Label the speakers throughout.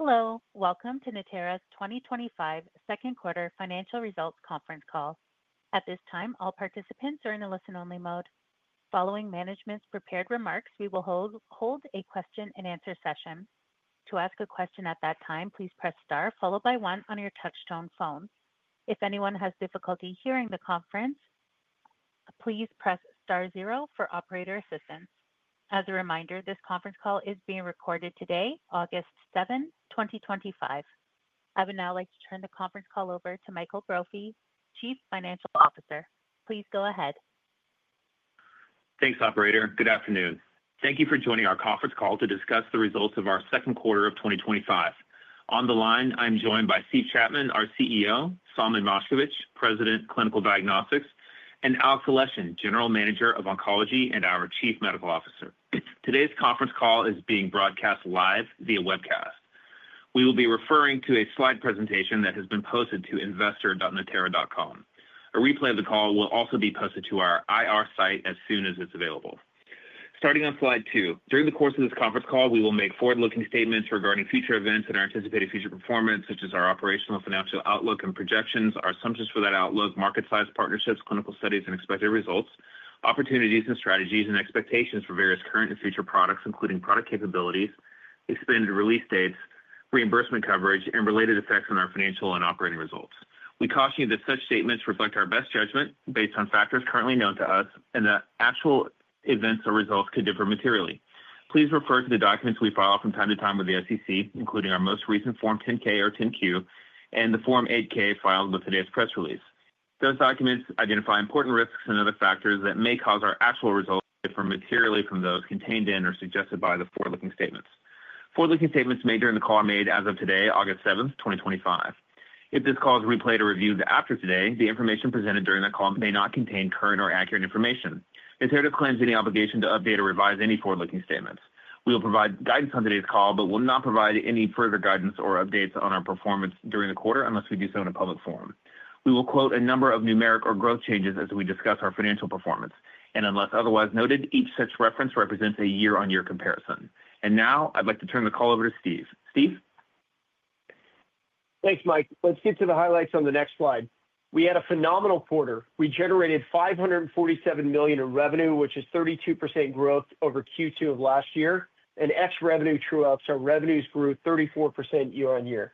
Speaker 1: Hello. Welcome to Natera's 2025 second quarter financial results conference call. At this time, all participants are in a listen-only mode. Following management's prepared remarks, we will hold a question-and-answer session. To ask a question at that time, please press star followed by one on your touch-tone phone. If anyone has difficulty hearing the conference, please press star zero for operator assistance. As a reminder, this conference call is being recorded today, August 7, 2025. I would now like to turn the conference call over to Michael Brophy, Chief Financial Officer. Please go ahead.
Speaker 2: Thanks Operator. Good afternoon. Thank you for joining our conference call to discuss the results of our second quarter of 2025. On the line I'm joined by Steve Chapman, our CEO, Solomon Moshkevich, President of Clinical Diagnostics, and Alexey Aleshin, General Manager of Oncology and our Chief Medical Officer. Today's conference call is being broadcast live via webcast. We will be referring to a slide presentation that has been posted to investor.natera.com. A replay of the call will also be posted to our IR site as soon as it's available. Starting on slide two. During the course of this conference call, we will make forward-looking statements regarding future events and our anticipated future performance such as our operational financial outlook and projections, our assumptions for that outlook, market size, partnerships, clinical studies and expected results, opportunities and strategies, and expectations for various current and future products including product capabilities, expanded release dates, reimbursement coverage, and related effects on our financial and operating results. We caution you that such statements reflect our best judgment based on factors currently known to us and the actual events or results could differ materially. Please refer to the documents we file from time to time with the SEC, including our most recent Form 10-K or 10-Q and the Form 8-K filed with today's press release. Those documents identify important risks and other factors that may cause our actual results to differ materially from those contained in or suggested by the forward-looking statements. Forward-looking statements made during the call are made as of today, August 7, 2025. If this call is replayed or reviewed after today, the information presented during the call may not contain current or accurate information. Natera disclaims any obligation to update or revise any forward-looking statements. We will provide guidance on today's call but will not provide any further guidance or updates on our performance during the quarter unless we do so in a public forum. We will quote a number of numeric. Growth changes as we discuss our financial performance, and unless otherwise noted, each such reference represents a year on year comparison. I'd like to turn the call over to Steve.
Speaker 3: Thanks Mike. Let's get to the highlights on the next slide. We had a phenomenal quarter. We generated $547 million in revenue, which is 32% growth over Q2 of last year, and ex-revenue true-up, so revenues grew 34% year on year.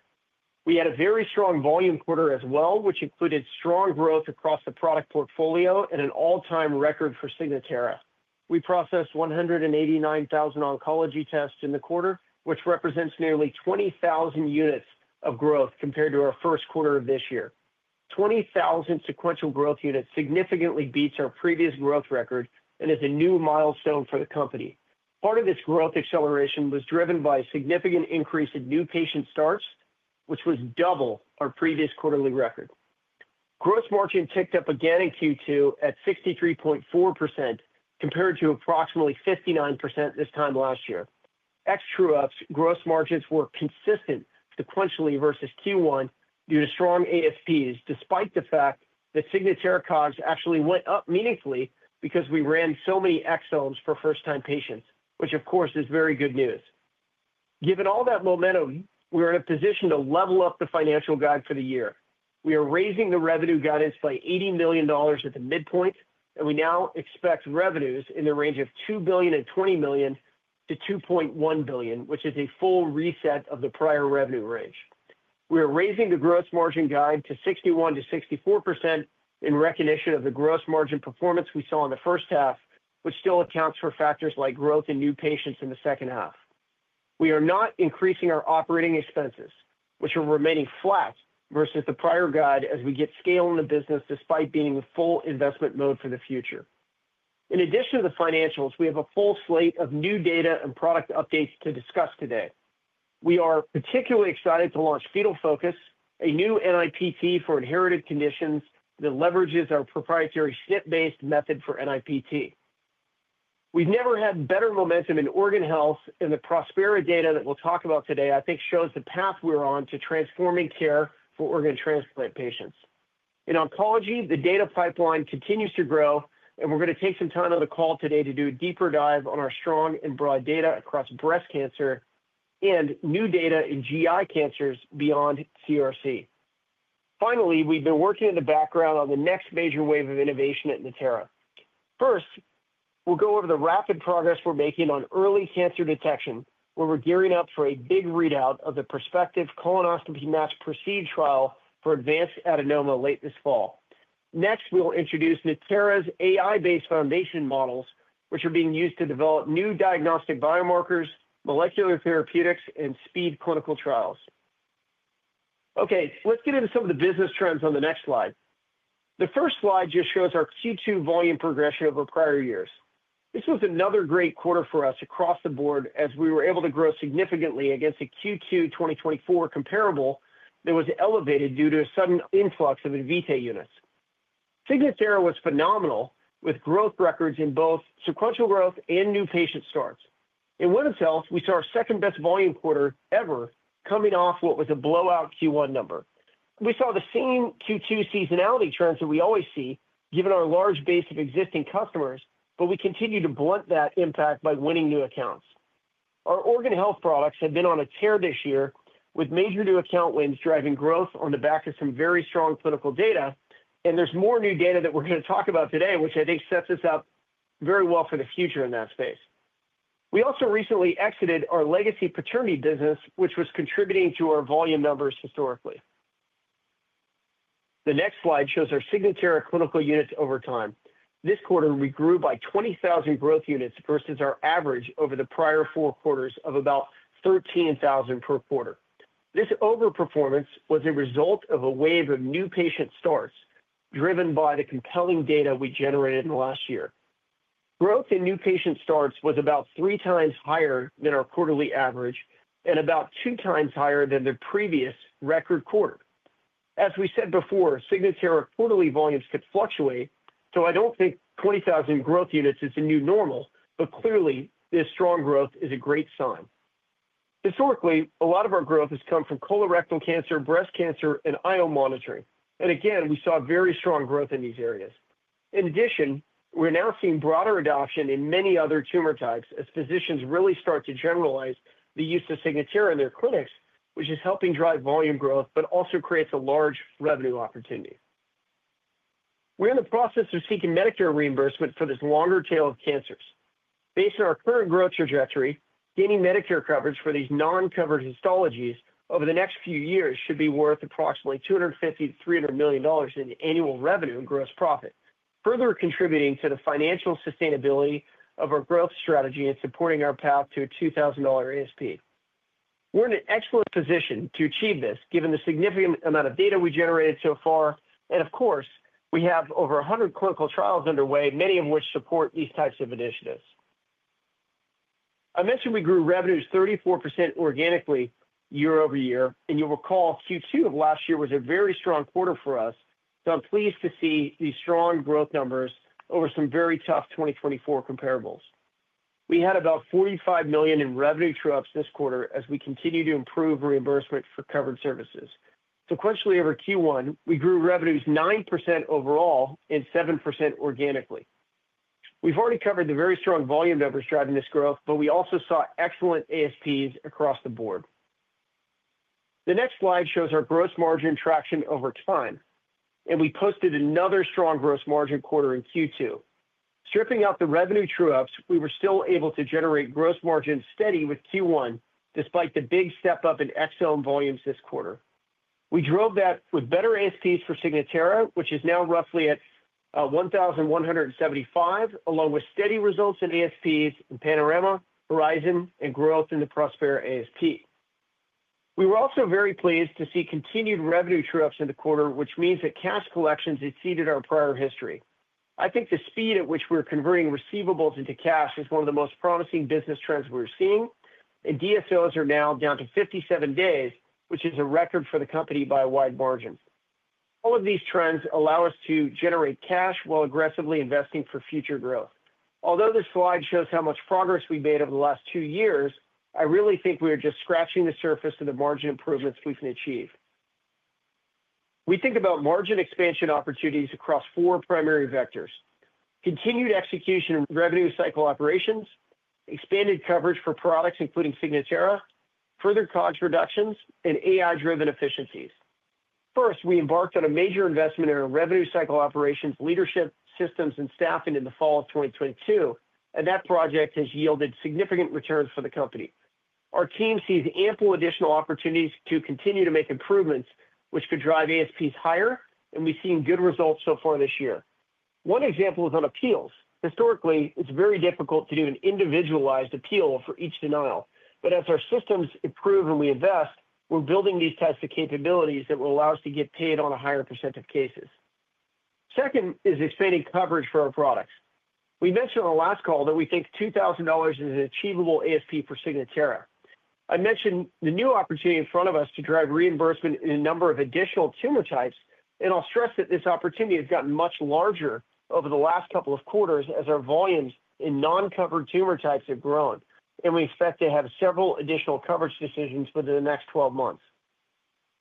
Speaker 3: We had a very strong volume quarter as well, which included strong growth across the product portfolio and an all-time record for Signatera. We processed 189,000 oncology tests in the quarter, which represents nearly 20,000 units of growth compared to our first quarter of this year. 20,000 sequential growth units significantly beats our previous growth record and is a new milestone for the company. Part of this growth acceleration was driven by a significant increase in new patient starts, which was double our previous quarterly record. Gross margin ticked up again in Q2 at 63.4% compared to approximately 59% this time last year. Ex-true-ups, gross margins were consistent sequentially versus Q1 due to strong ASPs, despite the fact that Signatera cards actually went up meaningfully because we ran so many exomes for first-time patients, which of course is very good news. Given all that momentum, we are in a position to level up the financial guide for the year. We are raising the revenue guidance by $80 million at the midpoint, and we now expect revenues in the range of $2.02 billion-$2.1 billion, which is a full reset of the prior revenue range. We are raising the gross margin guide to 61%-64% in recognition of the gross margin performance we saw in the first half, which still accounts for factors like growth in new patients. In the second half, we are not increasing our operating expenses, which are remaining flat versus the prior guide as we get scale in the business despite being in full investment mode for the future. In addition to the financials, we have a full slate of new data and product updates to discuss. Today we are particularly excited to launch Fetal Focus, a new NIPT for inherited conditions that leverages our proprietary SNP-based method for NIPT. We've never had better momentum in organ health, and the Prospera data that we'll talk about today I think shows the path we're on to transforming care for organ transplant patients. In oncology, the data pipeline continues to grow, and we're going to take some time on the call today to do a deeper dive on our strong and broad data across breast cancer and new data in GI cancers beyond CRC. Finally, we've been working in the background on the next major wave of innovation at Natera. First, we'll go over the rapid progress. We're making on early cancer detection where we're gearing up for a big readout of the prospective colonoscopy mass PROCEED trial for advanced adenoma late this fall. Next we will introduce Natera's AI-based foundation models which are being used to develop new diagnostic biomarkers, molecular therapeutics, and speed clinical trials. Okay, let's get into some of the business trends on the next slide. The first slide just shows our Q2 volume progression over prior years. This was another great quarter for us across the board as we were able to grow significantly against the Q2 2024 comparable that was elevated due to a sudden influx of Invitae units. Signatera was phenomenal with growth records in both sequential growth and new patient starts in window cells. We saw our second best volume quarter ever coming off what was a blowout Q1 number. We saw the same Q2 seasonality trends that we always see given our large base of existing cusTOMRs, but we continue to blunt that impact by winning new accounts. Our organ health products have been on a tear this year with major new account wins driving growth on the back of some very strong clinical data. There's more new data that we're going to talk about today which I think sets us up very well for the future in that space. We also recently exited our legacy paternity business which was contributing to our volume numbers historically. The next slide shows our Signatera clinical units over time. This quarter we grew by 20,000 growth units versus our average over the prior four quarters of about 13,000 per quarter. This overperformance was a result of a wave of new patient starts driven by the compelling data we generated in the last year. Growth in new patient starts was about three times higher than our quarterly average and about two times higher than the previous record quarter. As we said before, Signatera quarterly volumes could fluctuate, so I don't think 20,000 growth units is a new normal. Clearly this strong growth is a great sign. Historically, a lot of our growth has come from colorectal cancer, breast cancer, and IO monitoring, and again we saw very strong growth in these areas. In addition, we're now seeing broader adoption in many other tumor types as physicians really start to generalize the use of Signatera in their clinics, which is helping drive volume growth but also creates a large revenue opportunity. We're in the process of seeking Medicare reimbursement for this longer tail of cancers. Based on our current growth trajectory, gaining Medicare coverage for these non-covered histologies over the next few years should be worth approximately $250 million-$300 million in annual revenue and gross profit, further contributing to the financial sustainability of our growth strategy and supporting our path to a $2,000 aspect. We're in an excellent position to achieve this given the significant amount of data we generated so far. We have over 100 clinical trials underway, many of which support these types of initiatives. I mentioned we grew revenues 34% organically year-over-year, and you'll recall Q2 of last year was a very strong quarter for us. I'm pleased to see these strong growth numbers over some very tough 2024 comparables. We had about $45 million in revenue true-ups this quarter as we continue to improve reimbursement for covered services. Sequentially over Q1, we grew revenues 9% overall and 7% organically. We've already covered the very strong volume numbers driving this growth, but we also saw excellent ASPs across the board. The next slide shows our gross margin traction over time, and we posted another strong gross margin quarter in Q2. Stripping out the revenue true-ups, we were still able to generate gross margins steady with Q1 despite the big step up in Excel volumes this quarter. We drove that with better ASPs for Signatera, which is now roughly at $1,175, along with steady results in ASPs in Panorama, Horizon, and growth in the Prospera ASP. We were also very pleased to see continued revenue true-ups in the quarter, which means that cash collections exceeded our prior history. I think the speed at which we're converting receivables into cash is one of the most promising business trends we're seeing, and DSOs are now down to 57 days, which is a record for the company by wide margins. All of these trends allow us to generate cash while aggressively investing for future growth. Although this slide shows how much progress we've made over the last two years, I really think we are just scratching the surface of the margin improvements we can achieve. We think about margin expansion opportunities across four primary vectors: continued execution, revenue cycle operations, expanded coverage for products including Signatera, further cost reductions, and AI-driven efficiencies. First, we embarked on a major investment in revenue cycle operations, leadership, systems, and staffing in the fall of 2022, and that project has yielded significant returns for the company. Our team sees ample additional opportunities to continue to make improvements which could drive ASPs higher, and we've seen good results so far this year. One example is on appeals. Historically, it's very difficult to do an individualized appeal for each denial. As our systems improve and we invest, we're building these types of capabilities that will allow us to get paid on a higher percent of cases. Second is expanding coverage for our products. We mentioned on the last call that we think $2,000 is an achievable ASP for Signatera. I mentioned the new opportunity in front of us to drive reimbursement in a number of additional tumor types, and I'll stress that this opportunity has gotten much larger over the last couple of quarters as our volumes in non-covered tumor types have grown, and we expect to have several additional coverage decisions within the next 12 months.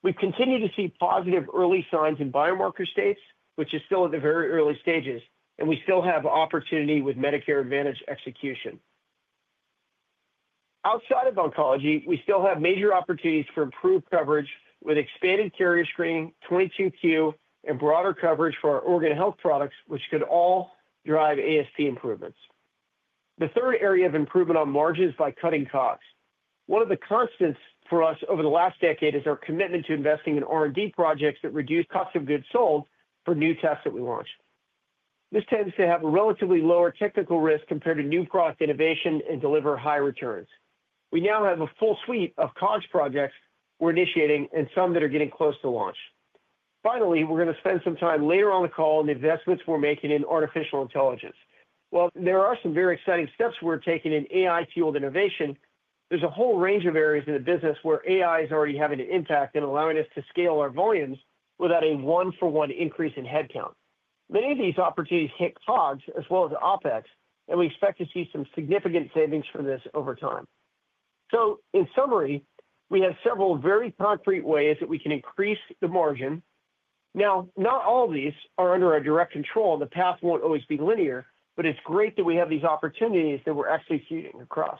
Speaker 3: We continue to see positive early signs in biomarker states, which is still at the very early stages, and we still have opportunity with Medicare Advantage execution. Outside of oncology, we still have major opportunities for improved coverage with expanded carrier screening, 22Q, and broader coverage for our organ health products, which could all drive ASP improvements. The third area of improvement on margins is by cutting costs. One of the constants for us over the last decade is our commitment to investing in R&D projects that reduce cost of goods sold for new tests that we launch. This tends to have a relatively lower technical risk compared to new product innovation and deliver high returns. We now have a full suite of COGS projects we're initiating and some that are getting close to launch. Finally, we're going to spend some time later on the call on investments we're making in artificial intelligence. There are some very exciting steps we're taking in AI-driven innovation. There's a whole range of areas in the business where AI is already having an impact and allowing us to scale our volumes without a one-for-one increase in headcount. Many of these opportunities hit COGS as well as OpEx, and we expect to see some significant savings from this over time. In summary, we have several very concrete ways that we can increase the margin. Not all of these are under our direct control. The path won't always be linear, but it's great that we have these opportunities that we're executing across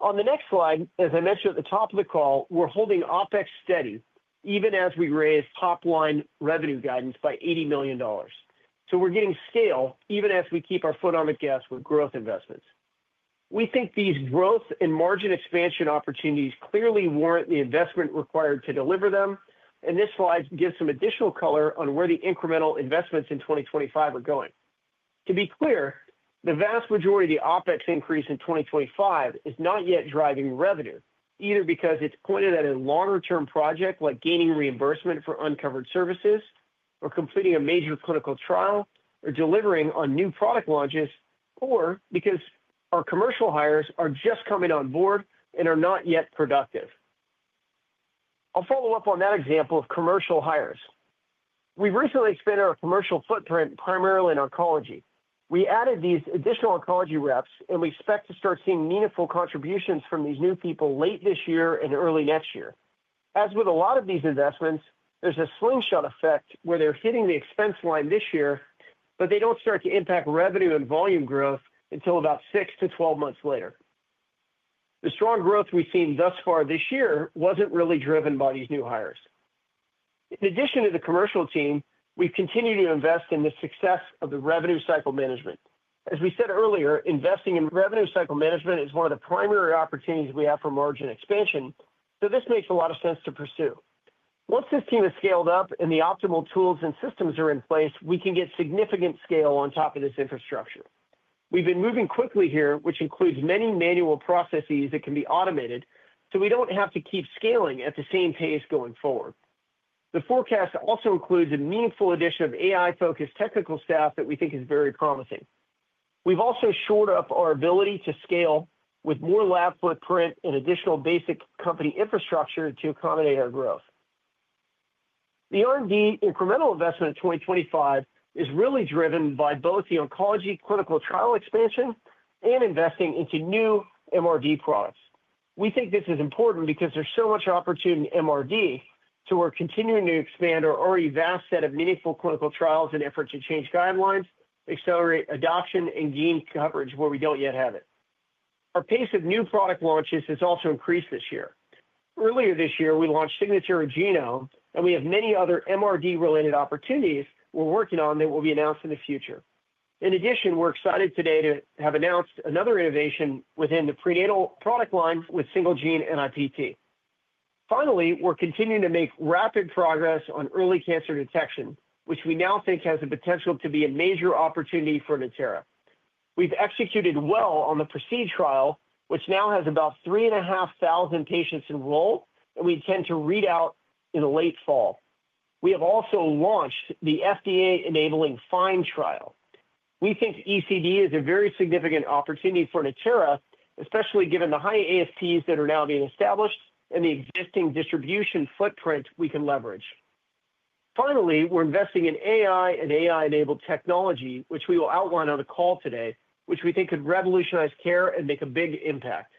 Speaker 3: on the next slide. As I mentioned at the top of the call, we're holding OpEx steady even as we raise top line revenue guidance by $80 million. We're getting scale even as we keep our foot on the gas with growth investments. We think these growth and margin expansion opportunities clearly warrant the investment required to deliver them. This slide gives some additional color on where the incremental investments in 2025 are going to be. The vast majority of the OpEx increase in 2025 is not yet driving revenue either because it's pointed at a longer term project like gaining reimbursement for uncovered services, completing a major clinical trial, delivering on new product launches, or because our commercial hires are just coming on board and are not yet productive. I'll follow up on that example of commercial hires. We've recently expanded our commercial footprint primarily in oncology. We added these additional oncology reps and we expect to start seeing meaningful contributions from these new people late this year and early next year. As with a lot of these investments, there's a slingshot effect where they're hitting the expense line this year, but they don't start to impact revenue and volume growth until about six to twelve months later. The strong growth we've seen thus far this year wasn't really driven by these new hires. In addition to the commercial team, we continue to invest in the success of the revenue cycle management. As we said earlier, investing in revenue cycle management is one of the primary opportunities we have for margin expansion, so this makes a lot of sense to pursue. Once this team is scaled up and the optimal tools and systems are in place, we can get significant scale on top of this infrastructure. We've been moving quickly here, which includes many manual processes that can be automated so we don't have to keep scaling at the same pace going forward. The forecast also includes a meaningful addition of AI-focused technical staff that we think is very promising. We've also shored up our ability to scale with more lab footprint and additional basic company infrastructure to accommodate our growth. The R&D incremental investment in 2025 is really driven by both the oncology clinical trial expansion and investing into new MRD products. We think this is important because there's so much opportunity in MRD to work, continuing to expand our already vast set of meaningful clinical trials and effort to change guidelines, accelerate adoption and gain coverage where we don't yet have it. Our pace of new product launches has also increased this year. Earlier this year we launched Signature Genome and we have many other MRD related opportunities we're working on that will be announced in the future. In addition, we're excited today to have announced another innovation within the prenatal product line with single gene NIPT. Finally, we're continuing to make rapid progress on early cancer detection which we now think has the potential to be a major opportunity for Natera. We've executed well on the PROCEED trial which now has about 3,500 patients enrolled and we intend to read out in the late fall. We have also launched the FDA enabling FIND trial. We think ECD is a very significant opportunity for Natera, especially given the high ASPs that are now being established and the existing distribution footprint we can leverage. Finally, we're investing in AI and AI enabled technology, which we will outline on the call today, which we think could revolutionize care and make a big impact.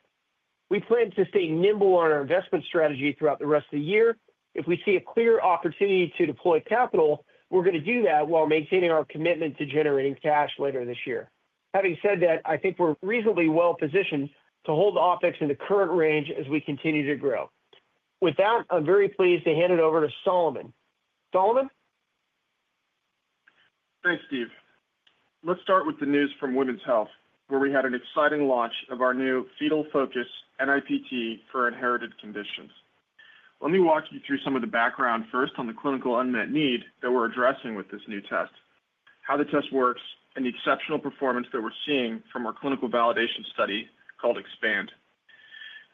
Speaker 3: We plan to stay nimble on our investment strategy throughout the rest of the year. If we see a clear opportunity to deploy capital, we're going to do that while maintaining our commitment to generating cash later this year. Having said that, I think we're reasonably well positioned to hold OpEx in the current range as we continue to grow. With that, I'm very pleased to hand it over to Solomon Moshkevich.
Speaker 4: Thanks, Steve. Let's start with the news from Women's Health, where we had an exciting launch of our new Fetal Focus NIPT for inherited conditions. Let me walk you through some of the background first on the clinical unmet need that we're addressing with this new test, how the test works, and the exceptional performance that we're seeing from our clinical validation study called expand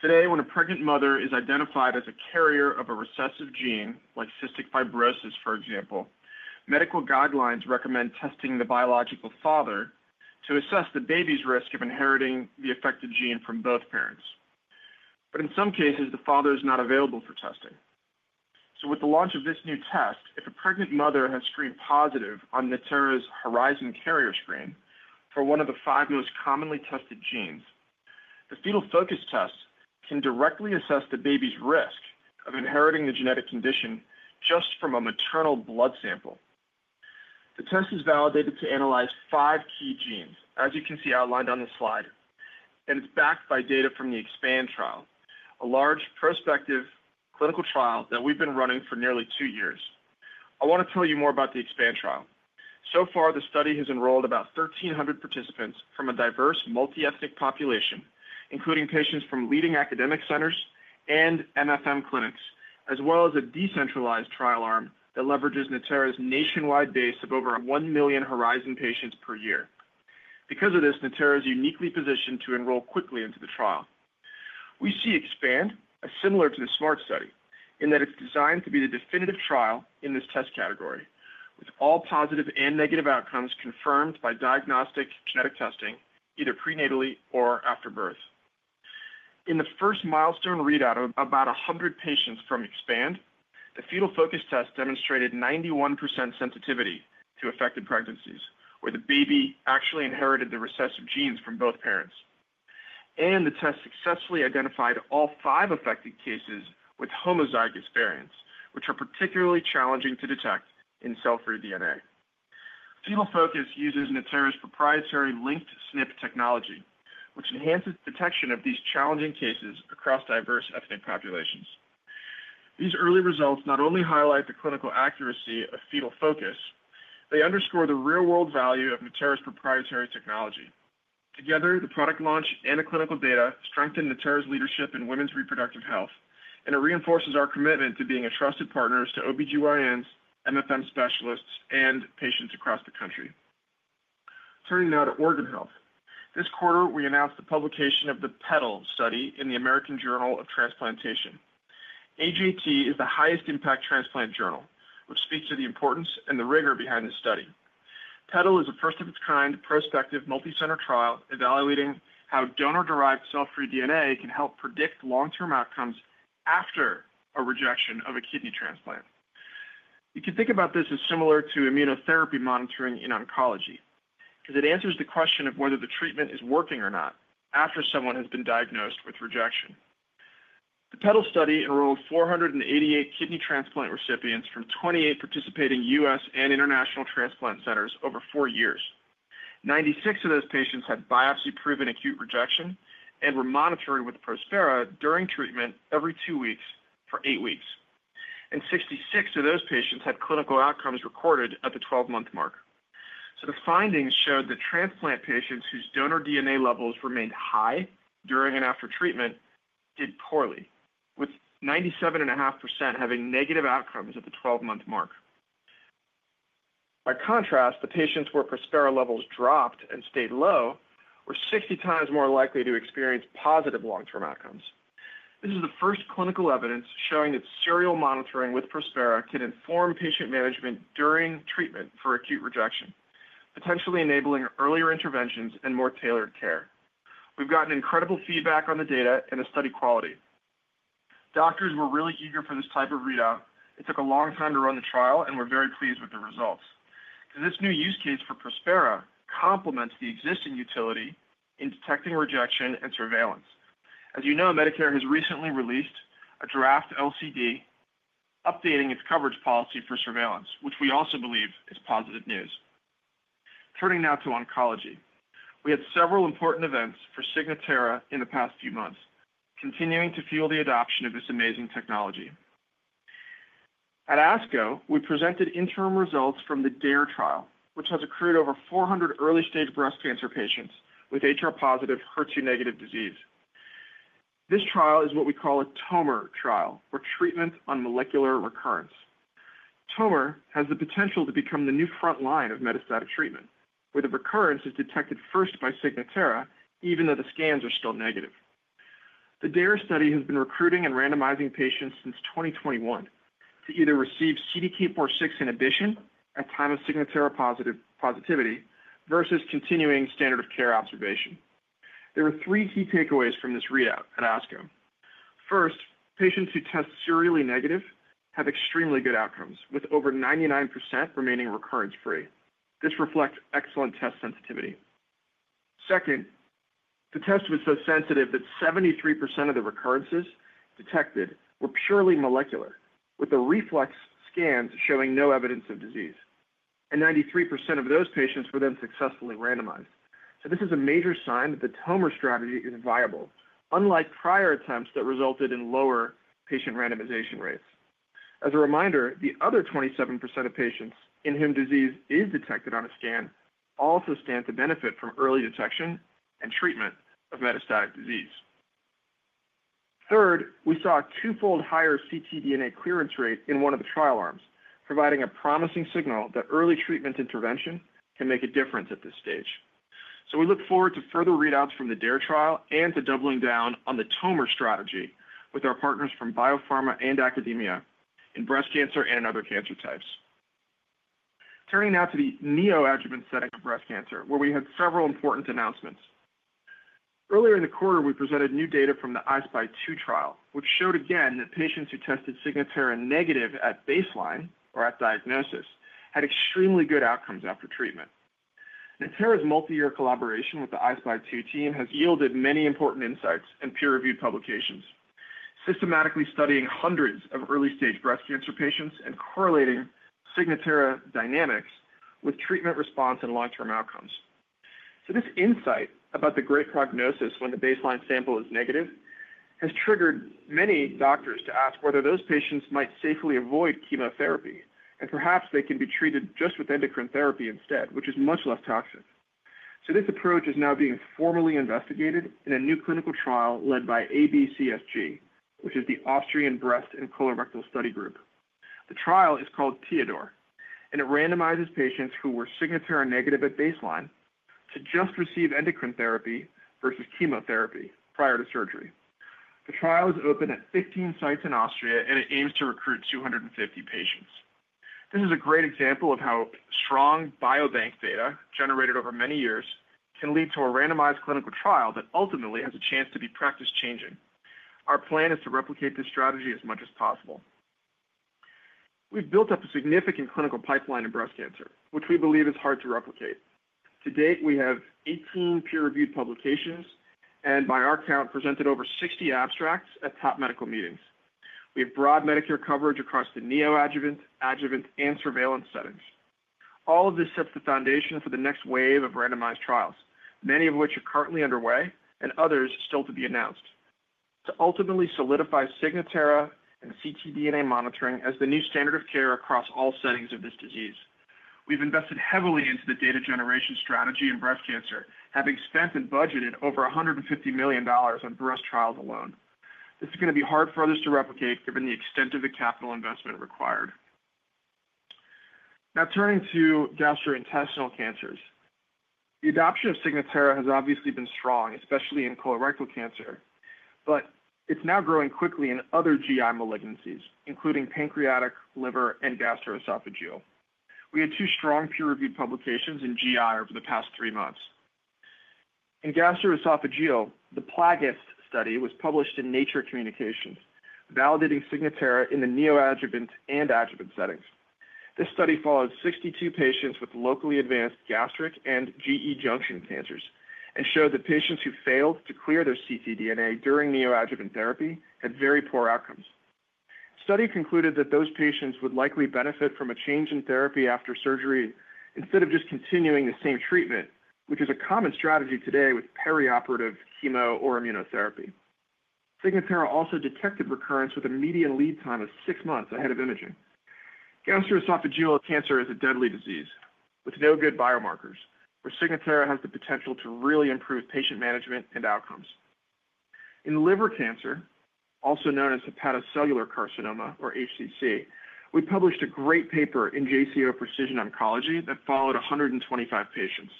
Speaker 4: today. When a pregnant mother is identified as a carrier of a recessive gene like cystic fibrosis, for example, medical guidelines recommend testing the biological father to assess the baby's risk of inheriting the affected gene from both parents. In some cases the father is not available for testing. With the launch of this new test, if a pregnant mother has screened positive on Natera's Horizon carrier screen for one of the five most commonly tested genes, the Fetal Focus test can directly assess the baby's risk of inheriting the genetic condition just from a maternal blood sample. The test is validated to analyze five. Key genes, as you can see outlined on the slide, and it's backed by data from the EXPAND trial, a large prospective clinical trial that we've been running for nearly two years. I want to tell you more about the EXPAND trial. So far, the study has enrolled about 1,300 participants from a diverse multiethnic population, including patients from leading academic centers and MFM clinics, as well as a decentralized trial arm that leverages Natera's nationwide base of over 1 million Horizon patients per year. Because of this, Natera is uniquely positioned to enroll quickly into the trial. We see EXPAND similar to the SMART study in that it's designed to be the definitive trial in this test category, with all positive and negative outcomes confirmed by diagnostic genetic testing, either prenatally or after birth. In the first milestone readout of about 100 patients from EXPAND, the Fetal Focus test demonstrated 91% sensitivity to affected pregnancies where the baby actually inherited the recessive genes from both parents, and the test successfully identified all five affected cases with homozygous variants, which are particularly challenging to detect in cell-free DNA. Fetal Focus uses Natera's proprietary linked SNP technology, which enhances detection of these challenging cases across diverse ethnic populations. These early results not only highlight the clinical accuracy of Fetal Focus, they underscore the real-world value of Natera's proprietary technology. Together, the product launch and clinical data strengthen Natera's leadership in women's reproductive health, and it reinforces our commitment to being a trusted partner to OB GYNs, MFM specialists, and patients across the country. Turning now to organ health, this quarter we announced the publication of the PETAL study in the American Journal of Transplantation. AJT is the highest impact transplant journal, which speaks to the importance and the rigor behind the study. PETAL is a first-of-its-kind prospective multicenter trial evaluating how donor-derived cell-free DNA can help predict long-term outcomes after a rejection of a kidney transplant. You can think about this as similar to immunotherapy monitoring in oncology as it answers the question of whether the treatment is working or not after someone has been diagnosed with rejection. The PETAL study enrolled 488 kidney transplant recipients from 28 participating U.S. and international transplant centers over four years. 96 of those patients had biopsy-proven acute rejection and were monitored with Prospera during treatment every two weeks for eight weeks, and 66 of those patients had clinical outcomes recorded at the 12-month mark. The findings showed the transplant patients whose donor DNA levels remained high during and after treatment did poorly, with 97.5% having negative outcomes at the 12-month mark. By contrast, the patients where Prospera levels dropped and stayed low were 60 times more likely to experience positive long-term outcomes. This is the first clinical evidence showing that serial monitoring with Prospera can inform patient management during treatment for acute rejection, potentially enabling earlier interventions and more tailored care. We've gotten incredible feedback on the data and the study quality. Doctors were really eager for this type of readout. It took a long time to run the trial, and we're very pleased with the results because this new use case for Prospera complements the existing utility in detecting rejection and surveillance. As you know, Medicare has recently released a draft LCD updating its coverage policy for surveillance, which we also believe is positive news. Turning now to oncology, we had several important events for Signatera in the past few months, continuing to fuel the adoption of this amazing technology. At ASCO, we presented interim results from the DARE trial, which has accrued over 400 early-stage breast cancer patients with HR-positive, HER2-negative disease. This trial is what we call a TOMR trial, or treatment on molecular recurrence. TOMR has the potential to become the new front line of metastatic treatment where the recurrence is detected first by Signatera, even though the scans are still negative. The DARE study has been recruiting and randomizing patients since 2021 to either receive CDK4/6 inhibition at time of Signatera positivity versus continuing standard of care observation. There are three key takeaways from this readout at ASCO. First, patients who test serially negative have extremely good outcomes, with over 99% remaining recurrence-free. This reflects excellent test sensitivity. Second, the test was so sensitive that 73% of the recurrences detected were purely molecular, with the reflex scans showing no evidence of disease, and 93% of those patients were then successfully randomized. This is a major sign that the TOMR strategy is viable, unlike prior attempts that resulted in lower patient randomization rates. As a reminder, the other 27% of patients in whom disease is detected on a scan also stand to benefit from early detection and treatment of metastatic disease. Third, we saw a twofold higher ctDNA clearance rate in one of the trial arms, providing a promising signal that early treatment intervention can make a difference at this stage. We look forward to further readouts from the DARE trial and to doubling down on the TOMR strategy with our partners from biopharma and academia in breast cancer and other cancer types. Turning now to the neoadjuvant setting of breast cancer where we had several important announcements earlier in the quarter, we presented new data from the I-SPY 2 trial, which showed again that patients who tested Signatera negative at baseline or at diagnosis had extremely good outcomes after treatment. Natera's multi-year collaboration with the I-SPY 2 team has yielded many important insights and peer-reviewed publications, systematically studying hundreds of early-stage breast cancer patients and correlating Signatera dynamics with treatment response and long-term outcomes. This insight about the great prognosis when the baseline sample is negative has triggered many doctors to ask whether those patients might safely avoid chemotherapy and perhaps they can be treated just with endocrine therapy instead, which is much less toxic. This approach is now being formally investigated in a new clinical trial led by ABCSG, which is the Austrian Breast and Colorectal Study Group. The trial is called TEODOR and it randomizes patients who were Signatera negative at baseline to just receive endocrine therapy versus chemotherapy prior to surgery. The trial is open at 15 sites in Austria and it aims to recruit 250 patients. This is a great example of how strong biobank data generated over many years can lead to a randomized clinical trial that ultimately has a chance to be practice changing. Our plan is to replicate this strategy as much as possible. We've built up a significant clinical pipeline in breast cancer which we believe is hard to replicate. To date, we have 18 peer-reviewed publications and by our count presented over 60 abstracts at top medical meetings. We have broad Medicare coverage across the neoadjuvant, adjuvant, and surveillance settings. All of this sets the foundation for the next wave of randomized trials, many of which are currently underway and others still to be announced to ultimately solidify Signatera and ctDNA monitoring as the new standard of care across all settings of this disease. We've invested heavily into the data generation strategy in breast cancer, having spent and budgeted over $150 million on breast trials alone. This is going to be hard for others to replicate given the extent of the capital investment required. Now turning to gastrointestinal cancers, the adoption of Signatera has obviously been strong, especially in colorectal cancer, but it's now growing quickly in other GI malignancies including pancreatic, liver, and gastroesophageal. We had two strong peer-reviewed publications in GI over the past three months in gastroesophageal. The PLAGAST study was published in Nature Communications validating Signatera in the neoadjuvant and adjuvant settings. This study followed 62 patients with locally advanced gastric and GE junction cancers and showed that patients who failed to clear their ctDNA during neoadjuvant therapy had very poor outcomes. The study concluded that those patients would likely benefit from a change in therapy after surgery instead of just continuing the same treatment, which is a common strategy today with perioperative chemo or immunotherapy. Signatera also detected recurrence with a median lead time of six months ahead of imaging. Gastroesophageal cancer is a deadly disease with no good biomarkers where Signatera has the potential to really improve patient management and outcomes. In liver cancer, also known as hepatocellular carcinoma or HCC, we published a great paper in JCO Precision Oncology that followed 125 patients.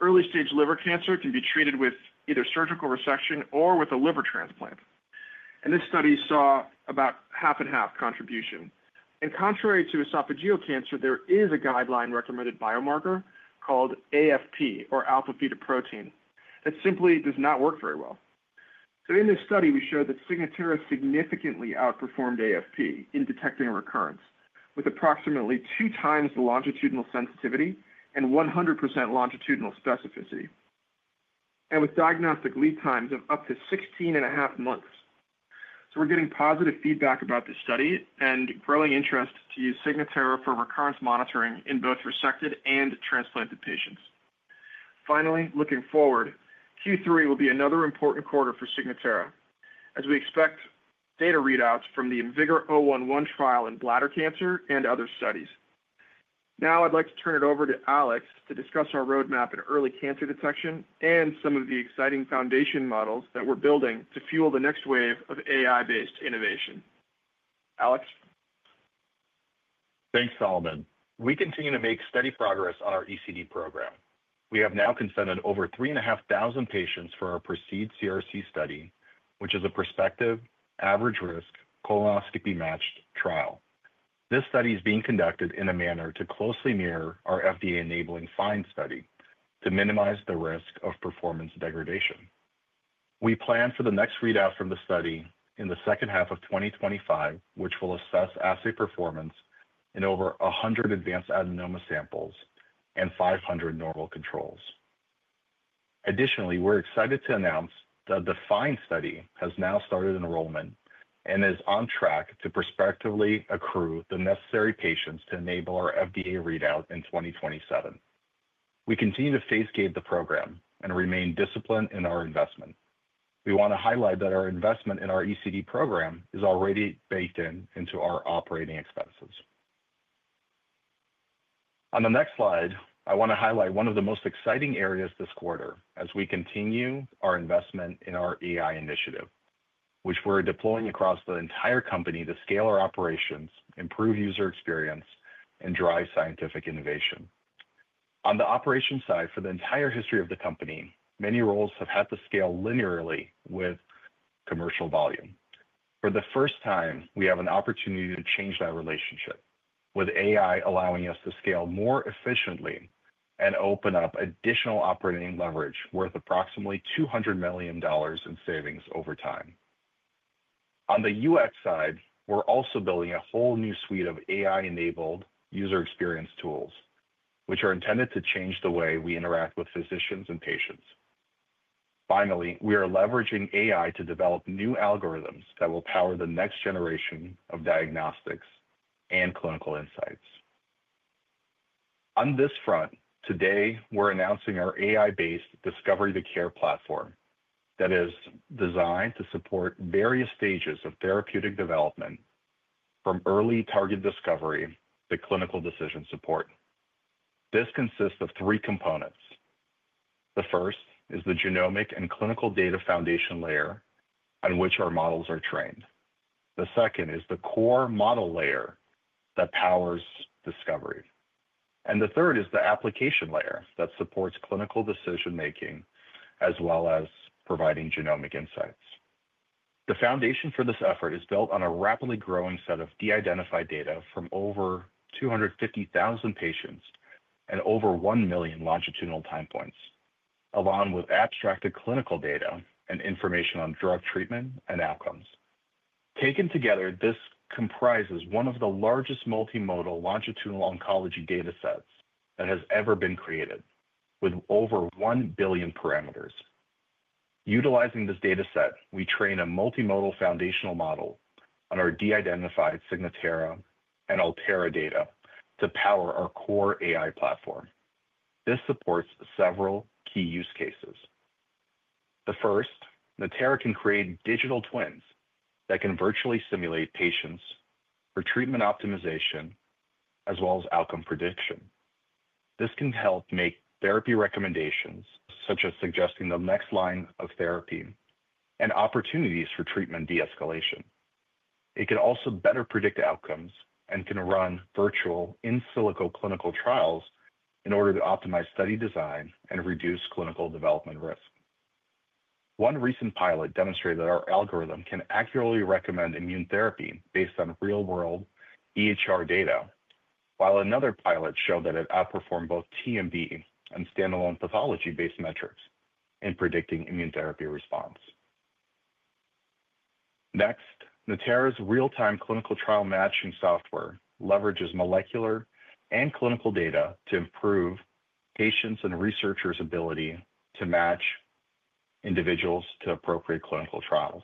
Speaker 4: Early stage liver cancer can be treated with either surgical resection or with a liver transplant and this study saw about half and half contribution. Contrary to esophageal cancer, there is a guideline-recommended biomarker called AFP or alpha-fetoprotein that simply does not work very well. In this study we showed that Signatera significantly outperformed AFP in detecting recurrence with approximately 2 times the longitudinal sensitivity and 100% longitudinal specificity and with diagnostic lead times of up to 16.5 months. We're getting positive feedback about this study and growing interest to use Signatera for recurrence monitoring in both resected and transplanted patients. Finally, looking forward, Q3 will be another important quarter for Signatera as we expect data readouts from the inVigor011 trial in bladder cancer and other studies. Now I'd like to turn it over to Alexey Aleshin to discuss our roadmap in early cancer detection and some of the exciting foundation models that we're building to fuel the next wave of AI-driven innovation. Alex.
Speaker 5: Thanks, Solomon. We continue to make steady progress on our ECD program. We have now consented over 3,500 patients for our PROCEED CRC study, which is a prospective average risk colonoscopy-matched trial. This study is being conducted in a manner to closely mirror our FDA-enabling FIND study to minimize the risk of performance degradation. We plan for the next readout from the study in the second half of 2025, which will assess assay performance in over 100 advanced adenoma samples and 500 normal controls. Additionally, we're excited to announce the DEFINE study has now started enrollment and is on track to prospectively accrue the necessary patients to enable our FDA readout in 2027. We continue to phase-gate the program and remain disciplined in our investment. We want to highlight that our investment in our ECD program is already baked into our operating expenses. On the next slide, I want to highlight one of the most exciting areas this quarter as we continue our investment in our AI initiative, which we're deploying across the entire company to scale our operations, improve user experience, and drive scientific innovation. On the operations side, for the entire history of the company, many roles have had to scale linearly with commercial volume. For the first time, we have an opportunity to change that relationship with AI, allowing us to scale more efficiently and open up additional operating leverage worth approximately $200 million in savings over time. On the UX side, we're also building a whole new suite of AI-enabled user experience tools, which are intended to change the way we interact with physicians and patients. Finally, we are leveraging AI to develop new algorithms that will power the next generation of diagnostics and clinical insights. On this front, today we're announcing our AI-based discovery, the CARE platform, that is designed to support various stages of therapeutic development from early target discovery to clinical decision support. This consists of three components. The first is the genomic and clinical data foundation layer on which our models are trained, the second is the core model layer that powers discovery, and the third is the application layer that supports clinical decision making as well as providing genomic insights. The foundation for this effort is built on a rapidly growing set of de-identified data from over 250,000 patients and over 1 million longitudinal time points, along with abstracted clinical data and information on drug treatment and outcomes. Taken together, this comprises one of the largest multimodal longitudinal oncology data sets that has ever been created, with over 1 billion parameters. Utilizing this data set, we train a multimodal foundational model on our de-identified Signatera and ALTERA data to power our core AI platform. This supports several key use cases. The first, Natera can create digital twins that can virtually simulate patients for treatment optimization as well as outcome prediction. This can help make therapy recommendations, such as suggesting the next line of therapy and opportunities for treatment de-escalation. It can also better predict outcomes and can run virtual in silico clinical trials in order to optimize study design and reduce clinical development risk. One recent pilot demonstrated that our algorithm can accurately recommend immune therapy based on real-world EHR data, while another pilot showed that it outperformed both TMB and standalone pathology-based metrics in predicting immune therapy response. Next, Natera's real-time clinical trial matching software leverages molecular and clinical data to improve patients' and researchers' ability to match individuals to appropriate clinical trials.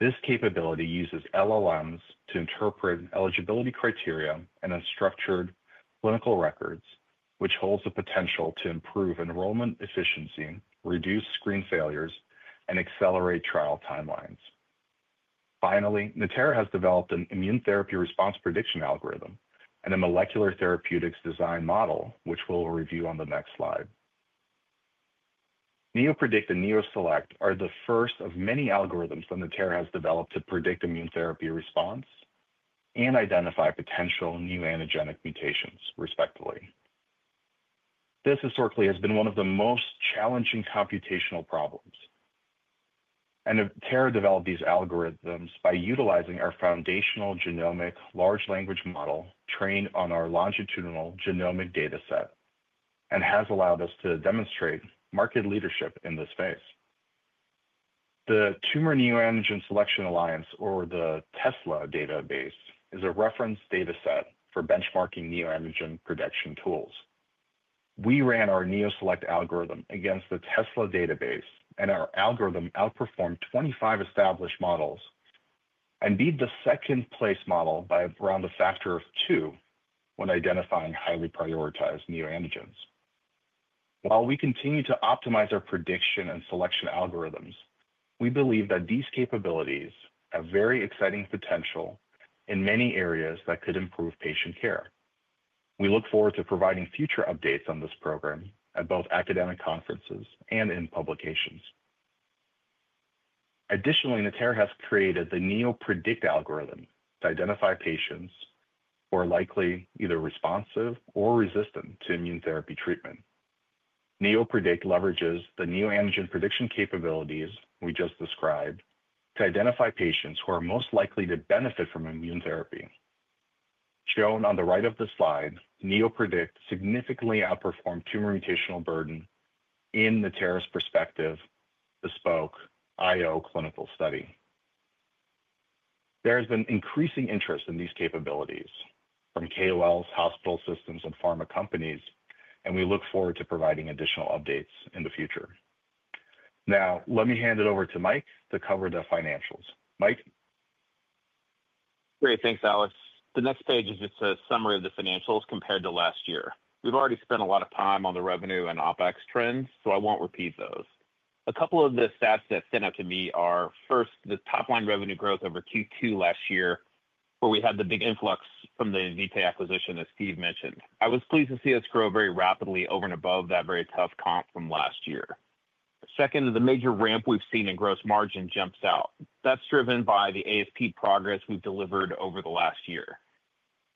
Speaker 5: This capability uses LLMs to interpret eligibility criteria and unstructured clinical records, which holds the potential to improve enrollment efficiency, reduce screen failures, and accelerate trial timelines. Finally, Natera has developed an immune therapy response prediction algorithm and a molecular therapeutics design model, which we'll review on the next slide. NeoPredict and NeoSelect are the first of many algorithms the CARE platform has developed to predict immune therapy response and identify potential new antigenic mutations, respectively. This historically has been one of the most challenging computational problems, and Natera developed these algorithms by utilizing our foundational genomic large language model trained on our longitudinal genomic data set and has allowed us to demonstrate market leadership in this phase. The Tumor Neoantigen Selection Alliance, or the TESLA database, is a reference data set for benchmarking neoantigen prediction tools. We ran our NEO Select algorithm against the TESLA database, and our algorithm outperformed 25 established models and beat the second place model by around a factor of two when identifying highly prioritized neoantigens. While we continue to optimize our prediction and selection algorithms, we believe that these capabilities have very exciting potential in many areas that could improve patient care. We look forward to providing future updates on this program at both academic conferences and in publications. Additionally, Natera has created the NEO Predict algorithm to identify patients who are likely either responsive or resistant to immune therapy treatment. NEO Predict leverages the neoantigen prediction capabilities we just described to identify patients who are most likely to benefit from immune therapy. Shown on the right of the slide, NEO Predict significantly outperformed tumor mutational burden in the TERES prospective Bespoke IO clinical study. There has been increasing interest in these capabilities from KOLs, hospital systems, and pharma companies, and we look forward to providing additional updates in the future. Now let me hand it over to Mike to cover the financials. Mike,
Speaker 2: Great. Thanks Alex. The next page is just a summary of the financials compared to last year. We've already spent a lot of time on the revenue and OpEx trends, so I won't repeat those. A couple of the stats that stand out to me are first, the top line revenue growth over Q2 last year where we had the big influx from the Vita acquisition. As Steve mentioned, I was pleased to see us grow very rapidly over and above that very tough comp from last year. Second, the major ramp we've seen in gross margin jumps out. That's driven by the ASP progress we've delivered over the last year.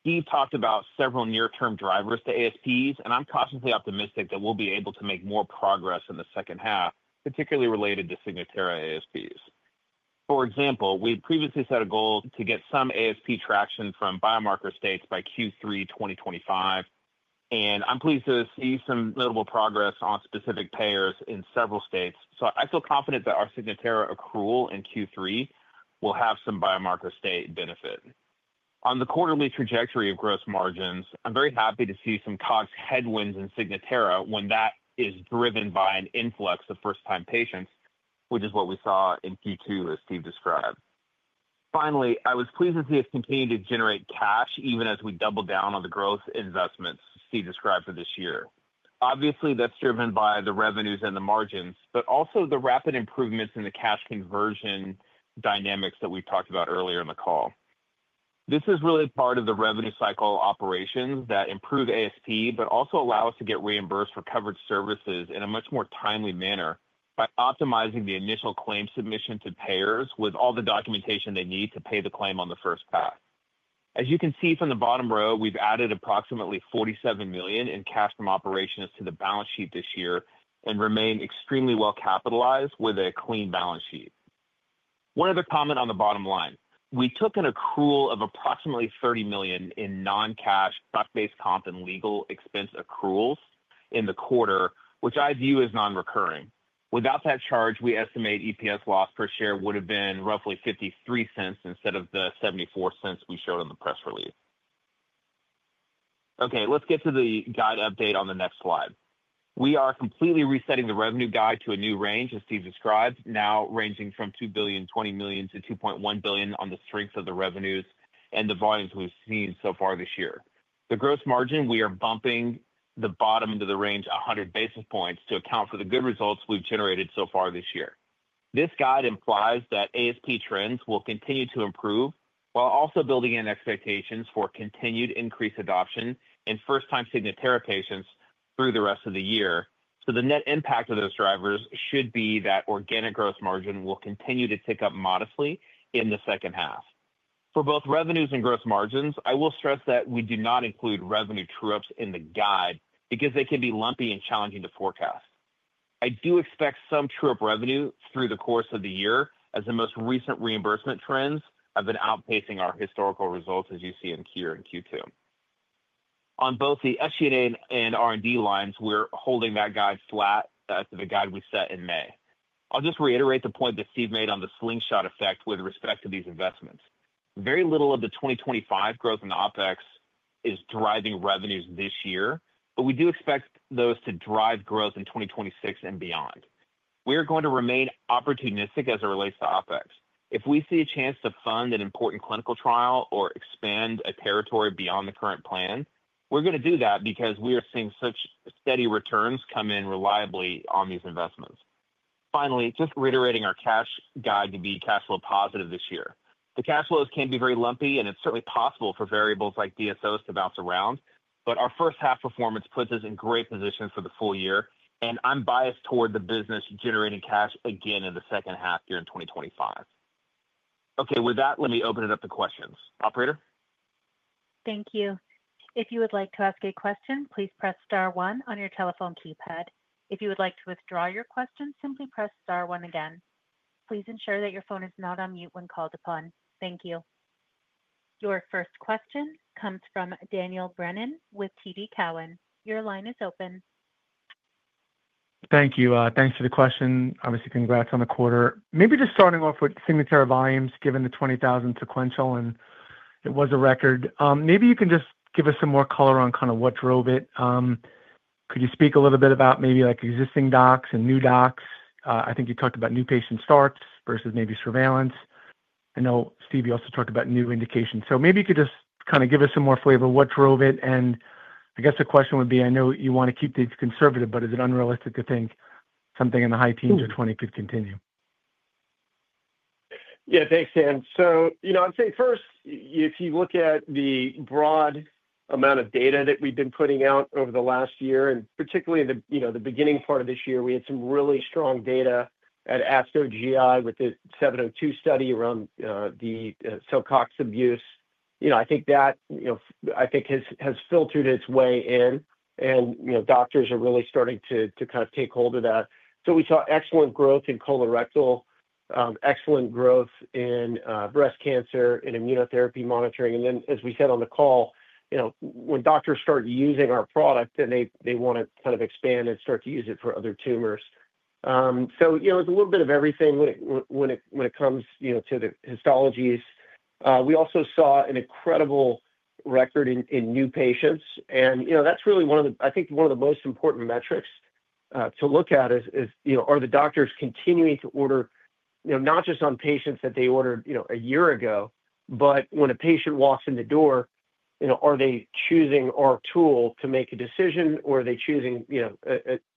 Speaker 2: Steve talked about several near term drivers to ASPs and I'm cautiously optimistic that we'll be able to make more progress in the second half, particularly related to Signatera ASPs. For example, we previously set a goal to get some ASP traction from biomarker states by Q3 2025 and I'm pleased to see some notable progress on specific payers in several states. I feel confident that our Signatera accrual in Q3 will have some biomarker state benefit on the quarterly trajectory of gross margins. I'm very happy to see some COGS headwinds in Signatera when that is driven by an influx of first time patients, which is what we saw in Q2 as Steve described. Finally, I was pleased to see us continue to generate cash even as we double down on the growth investments described for this year. Obviously that's driven by the revenues and the margins, but also the rapid improvements in the cash conversion dynamics that we talked about earlier in the call. This is really part of the revenue cycle operations that improve ASP but also allow us to get reimbursed for covered services in a much more timely manner by optimizing the initial claim submission to payers with all the documentation they need to pay the claim on the first pass. As you can see from the bottom row, we've added approximately $47 million in cash from operations to the balance sheet this year and remain extremely well capitalized with a clean balance sheet. One other comment on the bottom line, we took an accrual of approximately $30 million in non-cash, stock-based comp and legal expense accruals in the quarter which I view as non-recurring. Without that charge, we estimate EPS loss per share would have been roughly $0.53 instead of the $0.74 we showed in the press release. Okay, let's get to the guide update on the next slide. We are completely resetting the revenue guide to a new range as Steve described, now ranging from $2,020,000,000 to $2,100,000,000. On the strength of the revenues and the volumes we've seen so far this year, the gross margin, we are bumping the bottom of the range 100 basis points to account for the good results we've generated so far this year. This guide implies that ASP trends will continue to improve while also building in expectations for continued increased adoption and first time Signatera patients through the rest of the year. The net impact of those drivers should be that organic gross margin will continue to tick up modestly in the second half for both revenues and gross margins. I will stress that we do not include revenue true-ups in the guide because they can be lumpy and challenging to forecast. I do expect some true-up revenue through the course of the year as the most recent reimbursement trends have been outpacing our historical results. As you see in Q1 and Q2 on both the SG&A and R&D lines, we're holding that guide flat to the guide we set in May. I'll just reiterate the point that Steve made on the slingshot effect with respect to these investments. Very little of the 2025 growth in OpEx is driving revenues this year, but we do expect those to drive growth in 2026 and beyond. We are going to remain opportunistic as it relates to OpEx. If we see a chance to fund an important clinical trial or expand a territory beyond the current plan, we're going to do that because we are seeing such steady returns come in reliably on these investments. Finally, just reiterating our cash guide to be cash flow positive this year. The cash flows can be very lumpy, and it's certainly possible for variables like DSOs to bounce around. Our first half performance puts us in great position for the full year. I'm biased toward the business generating cash again in the second half year in 2025. Okay, with that, let me open it up to questions. Operator.
Speaker 1: Thank you. If you would like to ask a question, please press star one on your telephone keypad. If you would like to withdraw your question, simply press star one again. Please ensure that your phone is not on mute when called upon. Thank you. Your first question comes from Daniel Brennan with TD Cowen. Your line is open.
Speaker 6: Thank you. Thanks for the question. Obviously, congrats on the quarter. Maybe just starting off with Signatera volumes. Given the 20,000 sequential, it was a record. Maybe you can just give us some. More color on kind of what drove it. Could you speak a little bit about maybe like existing docs and new docs? I think you talked about new patient. Starts versus maybe surveillance. I know Steve also talked about new indications. Maybe you could just kind of give us some more flavor. What drove it? I guess the question would be, I know you want to keep these conservative, but is it unrealistic to think something in the high teens or 20% could continue?
Speaker 3: Yeah. Thanks, Dan. I'd say first, if you look at the broad amount of data that we've been putting out over the last year, and particularly the beginning part of this year, we had some really strong data at ASCO GI with the 702 study around the cellcox abuse. I think that has filtered its way in and doctors are really starting to kind of take hold of that. We saw excellent growth in colorectal, excellent growth in breast cancer and immunotherapy monitoring. As we said on the call, when doctors start using our product, they want to kind of expand and start to use it for other tumors. It's a little bit of everything when it comes to the histologies. We also saw an incredible record in new patients. That's really one of the most important metrics to look at: are the doctors continuing to order, not just on patients that they ordered a year ago, but when a patient walks in the door, are they choosing our tool to make a decision or are they choosing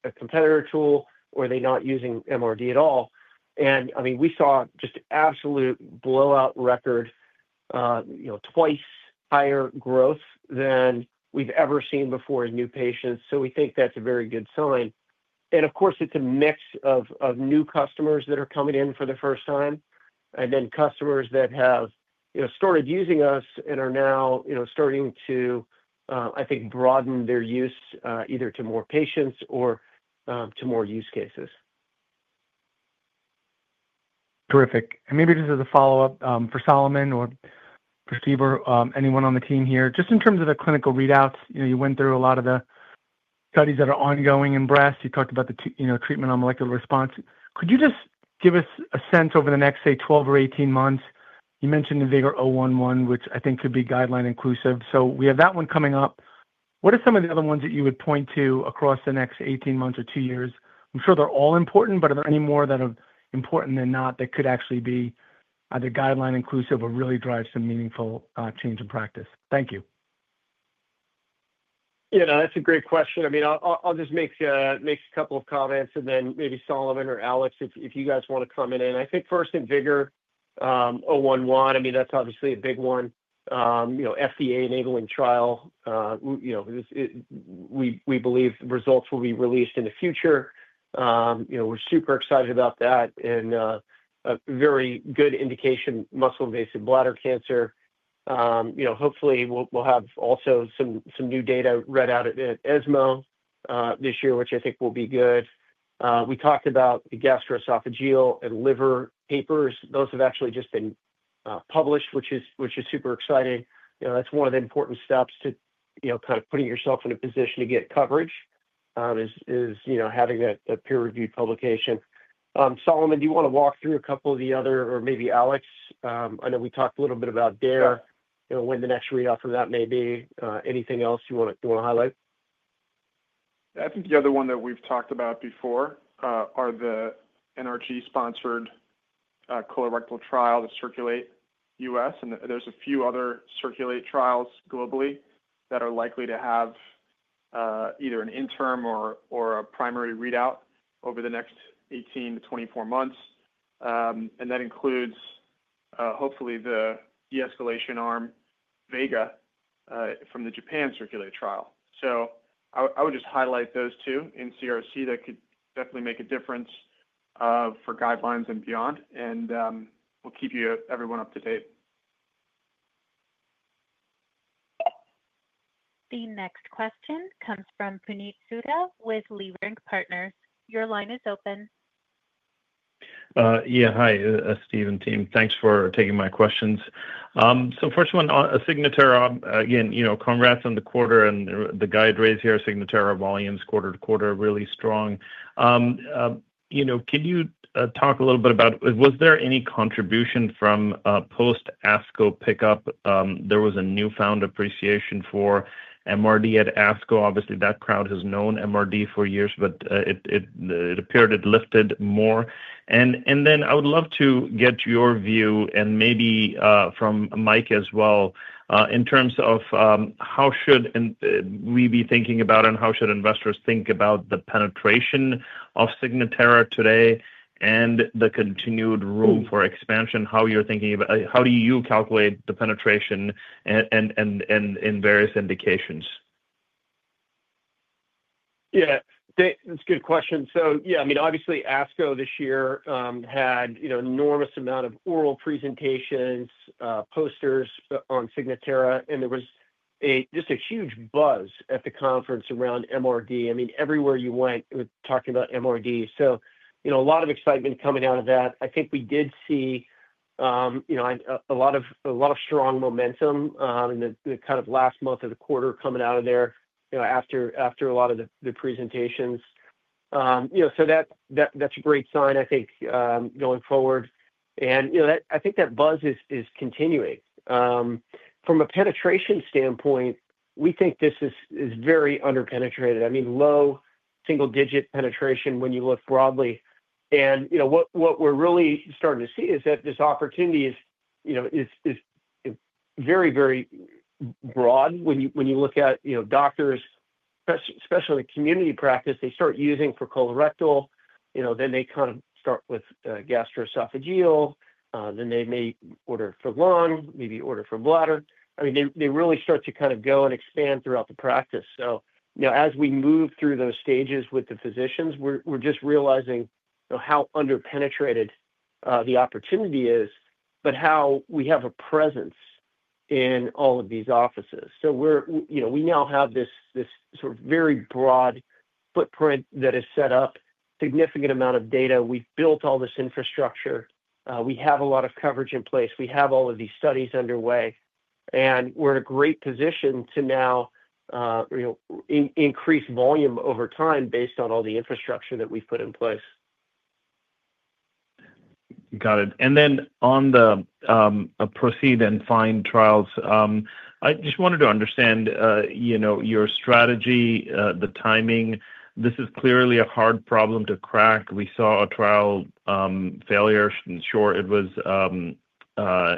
Speaker 3: a competitor tool or are they not using MRD at all? We saw just absolute blowout record, twice higher growth than we've ever seen before in new patients. We think that's a very good sign. Of course, it's a mix of new cusTOMRs that are coming in for the first time and then cusTOMRs that have started using us and are now starting to broaden their use either to more patients or to more use cases.
Speaker 6: Terrific. Maybe just as a follow up. For Solomon or Steve, anyone on the. Team here, just in terms of the. Clinical readouts, you went through a lot of the studies that are ongoing in breast. You talked about the treatment on molecular response. Could you just give us a sense over the next, say, 12 or 18 months? You mentioned the Vigor011, which I think could be guideline inclusive. We have that one coming up. What are some of the other ones that you would point to across the next 18 months or two years? I'm sure they're all important, but are there any more that are important than others? Not that could actually be either guideline inclusive or really drive some meaningful change in practice? Thank you.
Speaker 3: You know, that's a great question. I'll just make a couple of comments and then maybe Solomon or Alex, if you guys want to comment in. I think first, and Vigor011, that's obviously a big one. FDA enabling trial. We believe results will be released in the future. We're super excited about that and a very good indication. Muscle invasive bladder cancer. Hopefully we'll have also some new data read out at ESMO this year, which I think will be good. We talked about the gastroesophageal and Liverpool papers. Those have actually just been published, which is super exciting. That's one of the important steps to putting yourself in a position to get coverage, having that peer reviewed publication. Solomon, do you want to walk through a couple of the other, or maybe Alex, I know we talked a little bit about DARE, when the next readout from that may be? Anything else you want to highlight?
Speaker 4: I think the other one that we've talked about before is the NRG-sponsored colorectal trial to circulate us, and there's a few other CIRCULATE trials globally that are likely to have either an interim or a primary readout over the next 18 to 24 months. That includes hopefully the de-escalation arm VEGA from the Japan CIRCULATE trial. I would just highlight those two in CRC that could definitely make a difference for guidelines and beyond, and we'll keep everyone up to date.
Speaker 1: The next question comes from Puneet Soudha with Leernk Partners. Your line is open.
Speaker 7: Yeah, hi Steve and team. Thanks for taking my questions. First, Signatera, again congrats on the quarter and the guide raised here. Signatera volumes, quarter to quarter, really strong. Can you talk a little. Bit about was there any contribution from post-ASCO pickup? There was a newfound appreciation for MRD at ASCO. Obviously that crowd has known MRD for years, but it appeared it lifted more. I would love to get your view and maybe from Mike as well in terms of how should we be thinking about and how should investors think about the penetration of Signatera today and the continued room for expansion. How you're thinking about how do you calculate the penetration and in various indications.
Speaker 3: Yeah, that's a good question. Yeah, I mean obviously ASCO this year had an enormous amount of oral presentations, posters on Signatera, and there was just a huge buzz at the conference around MRD. I mean everywhere you went talking about MRD, so a lot of excitement coming out of that. I think we did see a lot of strong momentum in the kind of last month of the quarter coming out of there after a lot of the presentations, so that's a great sign I think going forward. I think that buzz is continuing from a penetration standpoint. We think this is very underpenetrated, I mean low single digit penetration. When you look broadly and what we're really starting to see is that this opportunity is very, very broad. When you look at doctors, especially community practice, they start using for colorectal, then they kind of start with gastroesophageal, then they may order for lung, maybe order for bladder. I mean they really start to kind of go and expand throughout the practice. Now as we move through those stages with the physicians, we're just realizing how underpenetrated the opportunity is, but how we have a presence in all of these offices. We now have this sort of very broad footprint that is set up, significant amount of data. We built all this infrastructure. We have a lot of coverage in place. We have all of these studies underway, and we're in a great position to now increase volume over time based on all the infrastructure that we've put in place.
Speaker 7: Got it. On the PROCEED and FIND trials, I just wanted to understand your strategy, the timing. This is clearly a hard problem to crack. We saw a trial failure, sure, it was,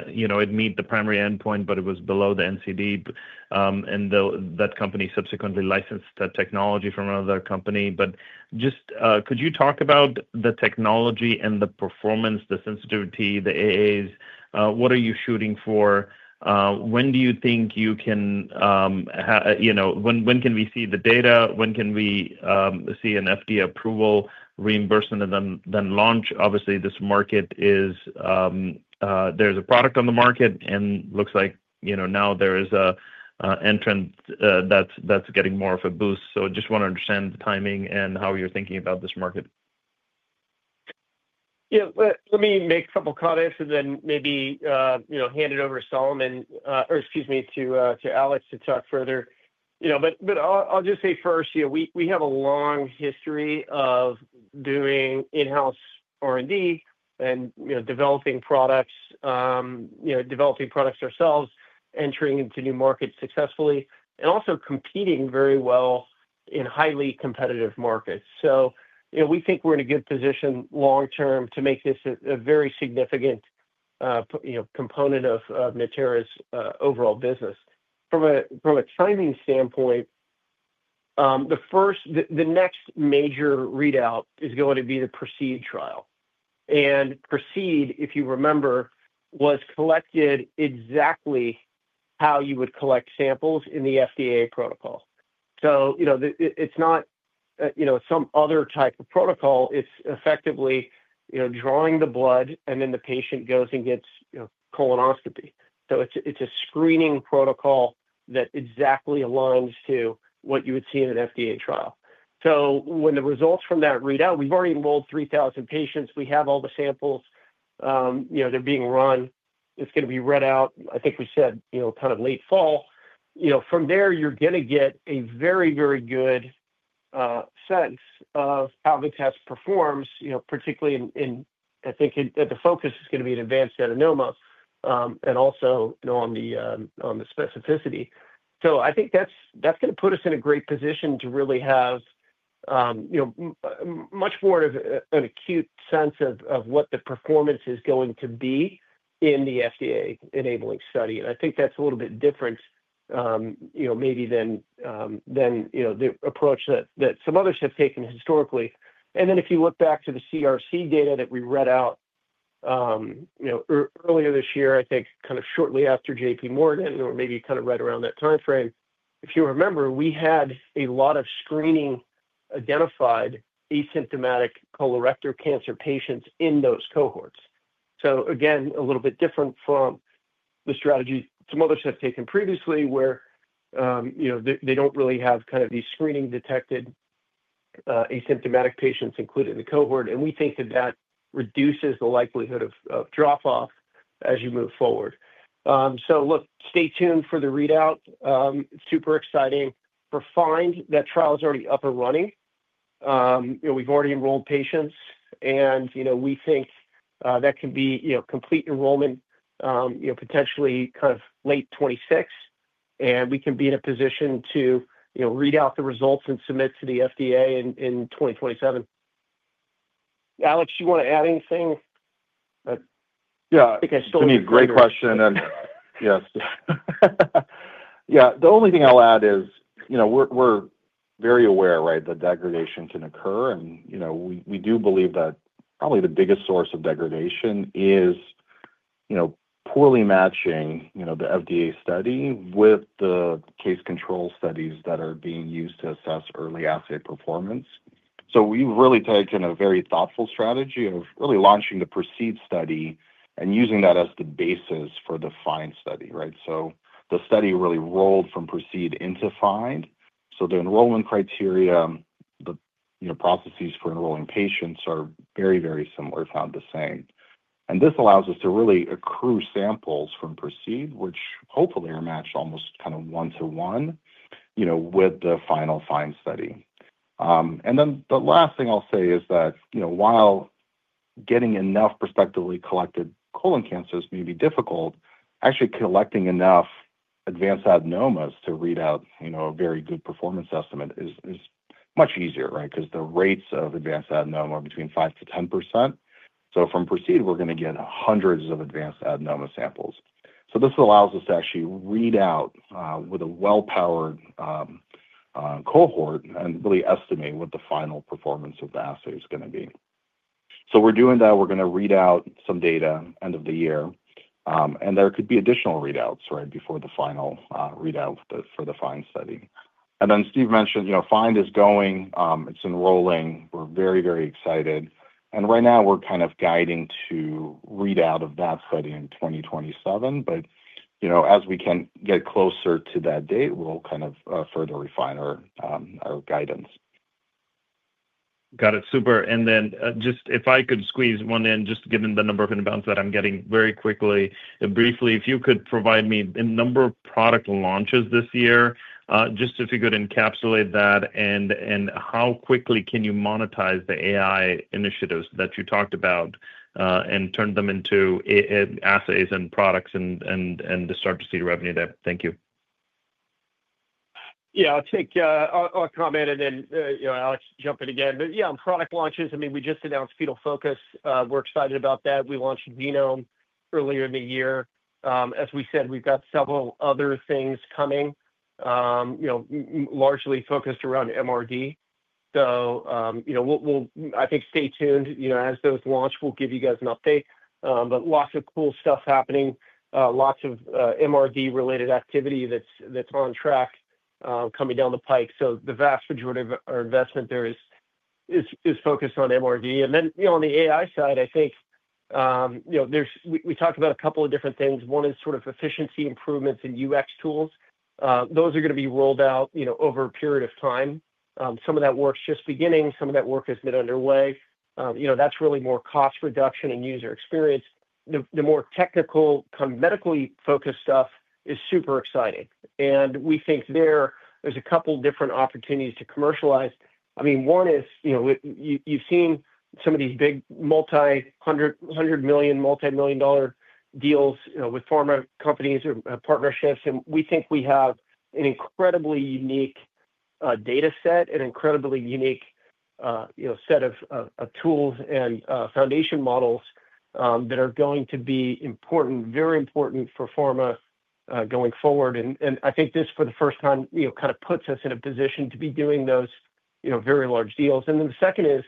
Speaker 7: you know, it meet the primary endpoint, but it was below the NCD and that company subsequently licensed technology from another company. Could you talk about the technology and the performance, the sensitivity, the AAs, what are you shooting for? When do you think you can, you know, when can we see the data? When can we see an FDA approval, reimbursement, and then launch? Obviously, this market is, there's a product on the market and looks like, you know, now there is a entrant that's getting more of a boost. I just want to understand the timing and how you're thinking about this market.
Speaker 3: Yeah, let me make a couple comments and then maybe hand it over to Alex to talk further. I'll just say first, we have a long history of doing in-house R&D and developing products ourselves, entering into new markets successfully, and also competing very well in highly competitive markets. We think we're in a good position long term to make this a very significant component of Natera's overall business. From a timing standpoint, the next major readout is going to be the PROCEED trial, and PROCEED, if you remember, was collected exactly how you would collect samples in the FDA protocol. It's not some other type of protocol. It's effectively drawing the blood and then the patient goes and gets a colonoscopy. It's a screening protocol that exactly aligns to what you would see in an FDA trial. When the results from that readout come, we've already enrolled 3,000 patients, we have all the samples, they're being run. It's going to be read out, I think we said, kind of late fall. From there you're going to get a very, very good sense of. How the test performs. You know, particularly in, I think that the focus is going to be in advanced adenoma and also on the specificity. I think that's going to put us in a great position to really have much more of an acute sense of what the performance is going to be in the FDA enabling study. I think that's a little bit different, maybe than the approach that some others have taken historically. If you look back to the CRC data that we read out earlier this year, I think kind of shortly after JPMorgan or maybe kind of right around that timeframe, if you remember, we had a lot of screening identified asymptomatic colorectal cancer patients in those cohorts. Again, a little bit different from the strategy some others have taken previously where they don't really have these screening detected asymptomatic patients included in the cohort. We think that reduces the likelihood of drop off as you move forward. Look, stay tuned for the readout. It's super exciting for FIND. That trial is already up and running. We've already enrolled patients and we think that can be complete enrollment, potentially kind of late 2026, and we can be in a position to read out the results and submit to the FDA in 2027. Alex, you want to add anything?
Speaker 5: Yeah, great question. Yes, the only thing I'll. That is, you know, we're very aware. Right, that degradation can occur. We do believe that probably the biggest source of degradation is poorly matching the FDA study with the case control studies that are being used to assess early assay performance. We have really taken a very thoughtful strategy of launching the PROCEED study and using that as the basis for the FIND study. Right. The study really rolled from PROCEED into FIND. The enrollment criteria, the processes for enrolling patients are very, very similar, found the same. This allows us to really accrue samples from PROCEED, which hopefully are matched almost kind of one to one with the final FIND study. The last thing I'll say is that, while getting enough prospectively collected colon cancers may be difficult, actually collecting enough advanced adenomas to read out a very good performance estimate is much easier. Right. Because the rates of advanced adenoma are between 5%-10%. From PROCEED, we're going to get hundreds of advanced adenoma samples. This allows us to actually read out with a well-powered cohort and really estimate what the final performance of the assay is going to be. We're doing that. We're going to read out some data end of the year, and there could be additional readouts right before the final readout for the FIND study. Steve mentioned, you know, FIND is going, it's enrolling. We're very, very excited. Right now we're kind of guiding to readout of that study in 2027. As we get closer to that date, we'll kind of further refine our guidance.
Speaker 7: Got it. Super. If I could squeeze one in, just given the number of imbalance that I'm getting. Very quickly, briefly, if you could provide me a number of product launches this year, just if you could encapsulate that. How quickly can you monetize the AI initiatives that you talked about and turn them into assays and products? To start to see revenue there. Thank you.
Speaker 3: Yeah, I think I'll comment. Alex, jump in again. Product launches, I mean, we just announced Fetal Focus. We're excited about that. We launched Venom earlier in the year. As we said, we've got several other things coming, you know, largely focused around MRD. We'll, I think, stay tuned, you know, as those launch, we'll give you guys an update. Lots of cool stuff happening, lots of MRD-related activity that's on track, coming down the pike. The vast majority of our investment there is focused on MRD. On the AI side, I think, you know, we talked about a couple of different things. One is sort of efficiency improvements in UX tools. Those are going to be rolled out over a period of time. Some of that work's just beginning. Some of that work has been underway. That's really more cost reduction and user experience. The more technical, kind of medically focused stuff is super exciting. We think there are a couple different opportunities to commercialize. One is, you know, you've seen some of these big multi-hundred million, multimillion dollar deals with pharma companies or partnerships. We think we have an incredibly unique data set, an incredibly unique set of tools and foundation models that are going to be very important for pharma going forward. I think this, for the first time, kind of puts us in a position to be doing those very large deals. The second is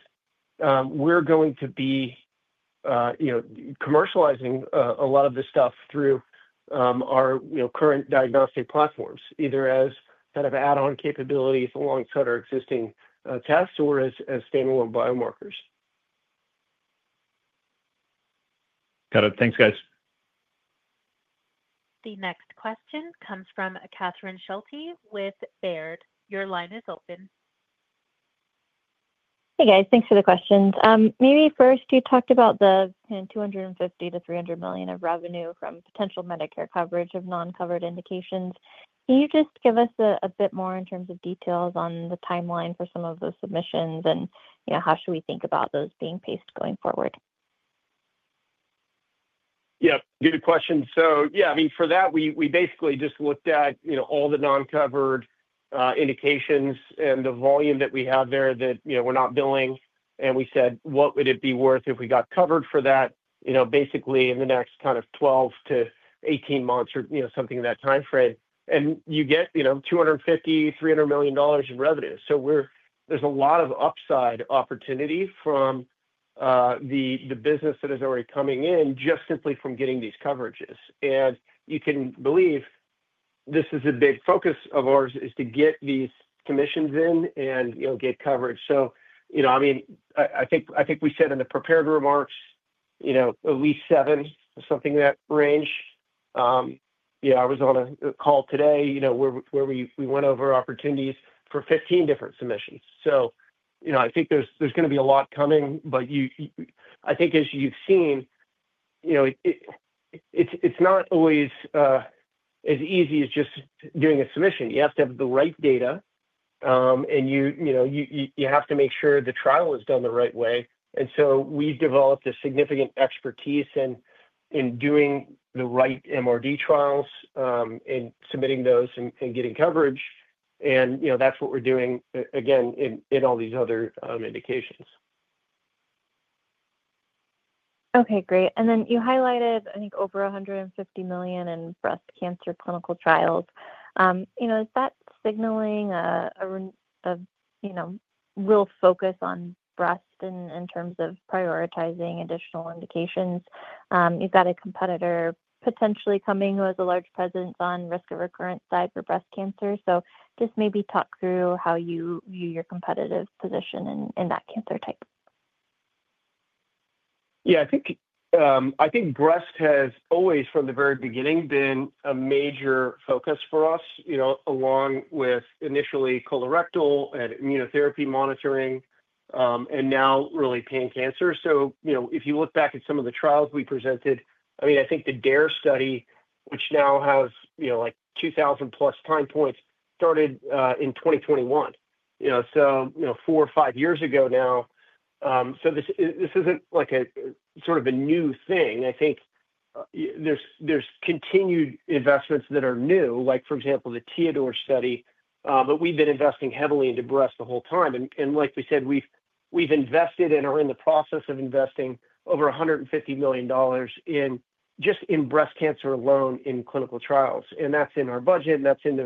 Speaker 3: we're going to be commercializing a lot of this stuff through our current diagnostic platforms, either as kind of add-on capabilities alongside our existing tests or as standalone biomarkers.
Speaker 7: Got it. Thanks guys.
Speaker 1: The next question comes from Catherine Schulte with Baird. Your line is open.
Speaker 8: Hey guys, thanks for the questions. Maybe first, you talked about the $250 million-$300 million of revenue from potential Medicare coverage of non-covered indications. Can you just give us a bit more in terms of details on the timeline for some of those submissions, and how should we think about those being paced going forward?
Speaker 3: Yep, good question. For that, we basically just looked at all the non-covered indications and the volume that we have there that, you know, we're not billing and we said, what would it be worth if we got covered for that, basically in the next kind of 12-18 months or, you know, something in that time frame and you get, you know, $250 million, $300 million in revenue. There's a lot of upside opportunity from the business that is already coming in just simply from getting these coverages and you can believe this is a big focus of ours, to get these commissions in and get coverage. I think we said in the prepared remarks, at least seven, something in that range. I was on a call today where we went over opportunities for 15 different submissions. I think there's going to be a lot coming. As you've seen, it's not always as easy as just doing a submission. You have to have the right data and you have to make sure the trial is done the right way. We've developed a significant expertise in doing the right MRD trials and submitting those and getting coverage. That's what we're doing again in all these other indications.
Speaker 8: Okay, great. You highlighted, I think, over $150 million in breast cancer clinical trials. Is that signaling a real focus on breast in terms of prioritizing additional indications? You've got a competitor potentially coming who has a large presence on risk of recurrent side for breast cancer. Just maybe talk through how you view your competitive position in that cancer type.
Speaker 3: Yeah, I think breast has always, from the very beginning, been a major focus for us, you know, along with initially colorectal and immunotherapy monitoring and now really pan cancer. If you look back at some of the trials we presented, I mean, I think the DARE study, which now has, you know, like 2,000+ time points, started in 2021, so, you know, four or five years ago now. This isn't like a sort of a new thing. I think there's continued investments that are new, like, for example, the Teodor study. We've been investing heavily into breast the whole time. Like we said, we've invested and are in the process of investing over $150 million just in breast cancer alone in clinical trials. That's in our budget and that's in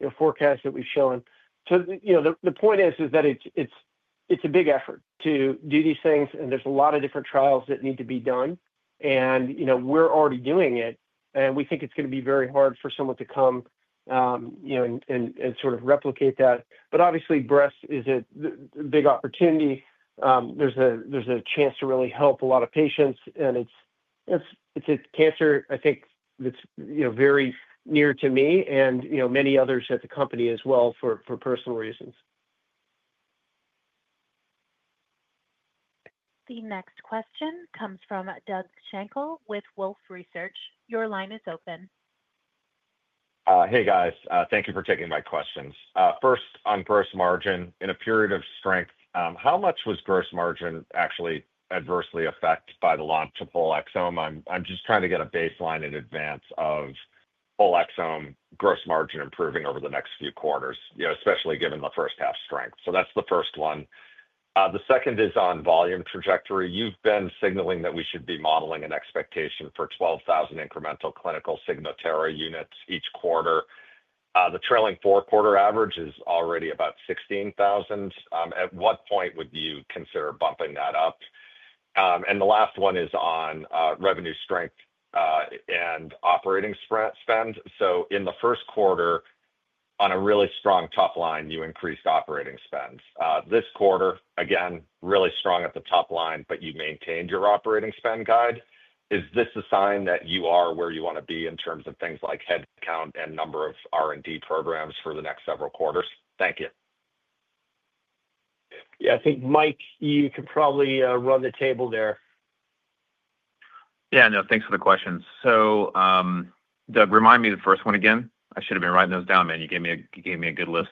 Speaker 3: the forecast that we've shown. The point is that it's a big effort to do these things and there's a lot of different trials that need to be done. We're already doing it and we think it's going to be very hard for someone to come and sort of replicate that. Obviously, breast is a big opportunity. There's a chance to really help a lot of patients. It's a cancer I think that's very near to me and many others at the company as well for personal reasons.
Speaker 1: The next question comes from Doug Schenkel with Wolfe Research. Your line is open.
Speaker 9: Hey, guys, thank you for taking my questions. First, on gross margin in a period of strength, how much was gross margin actually adversely affected by the launch of all Exome? I'm just trying to get a baseline in advance of all Exome gross margin improving over the next few quarters, especially given the first half strength. That's the first one. The second is on volume trajectory. You've been signaling that we should be modeling an expectation for 12,000 incremental clinical Signatera units each quarter. The trailing four quarter average is already about 16,000. At what point would you consider bumping that up? The last one is on revenue strength and operating spend. In the first quarter, on a really strong top line, you increased operating spend. This quarter, again, really strong at the top line, but you maintained your operating spend guide. Is this a sign that you are where you want to be in terms of things like headcount and number of R&D programs for the next several quarters? Thank you.
Speaker 3: Yeah, I think, Mike, you could probably run the table there.
Speaker 2: Yeah, no, thanks for the question. Doug, remind me the first one again. I should have been writing those down, man. You gave me a good list.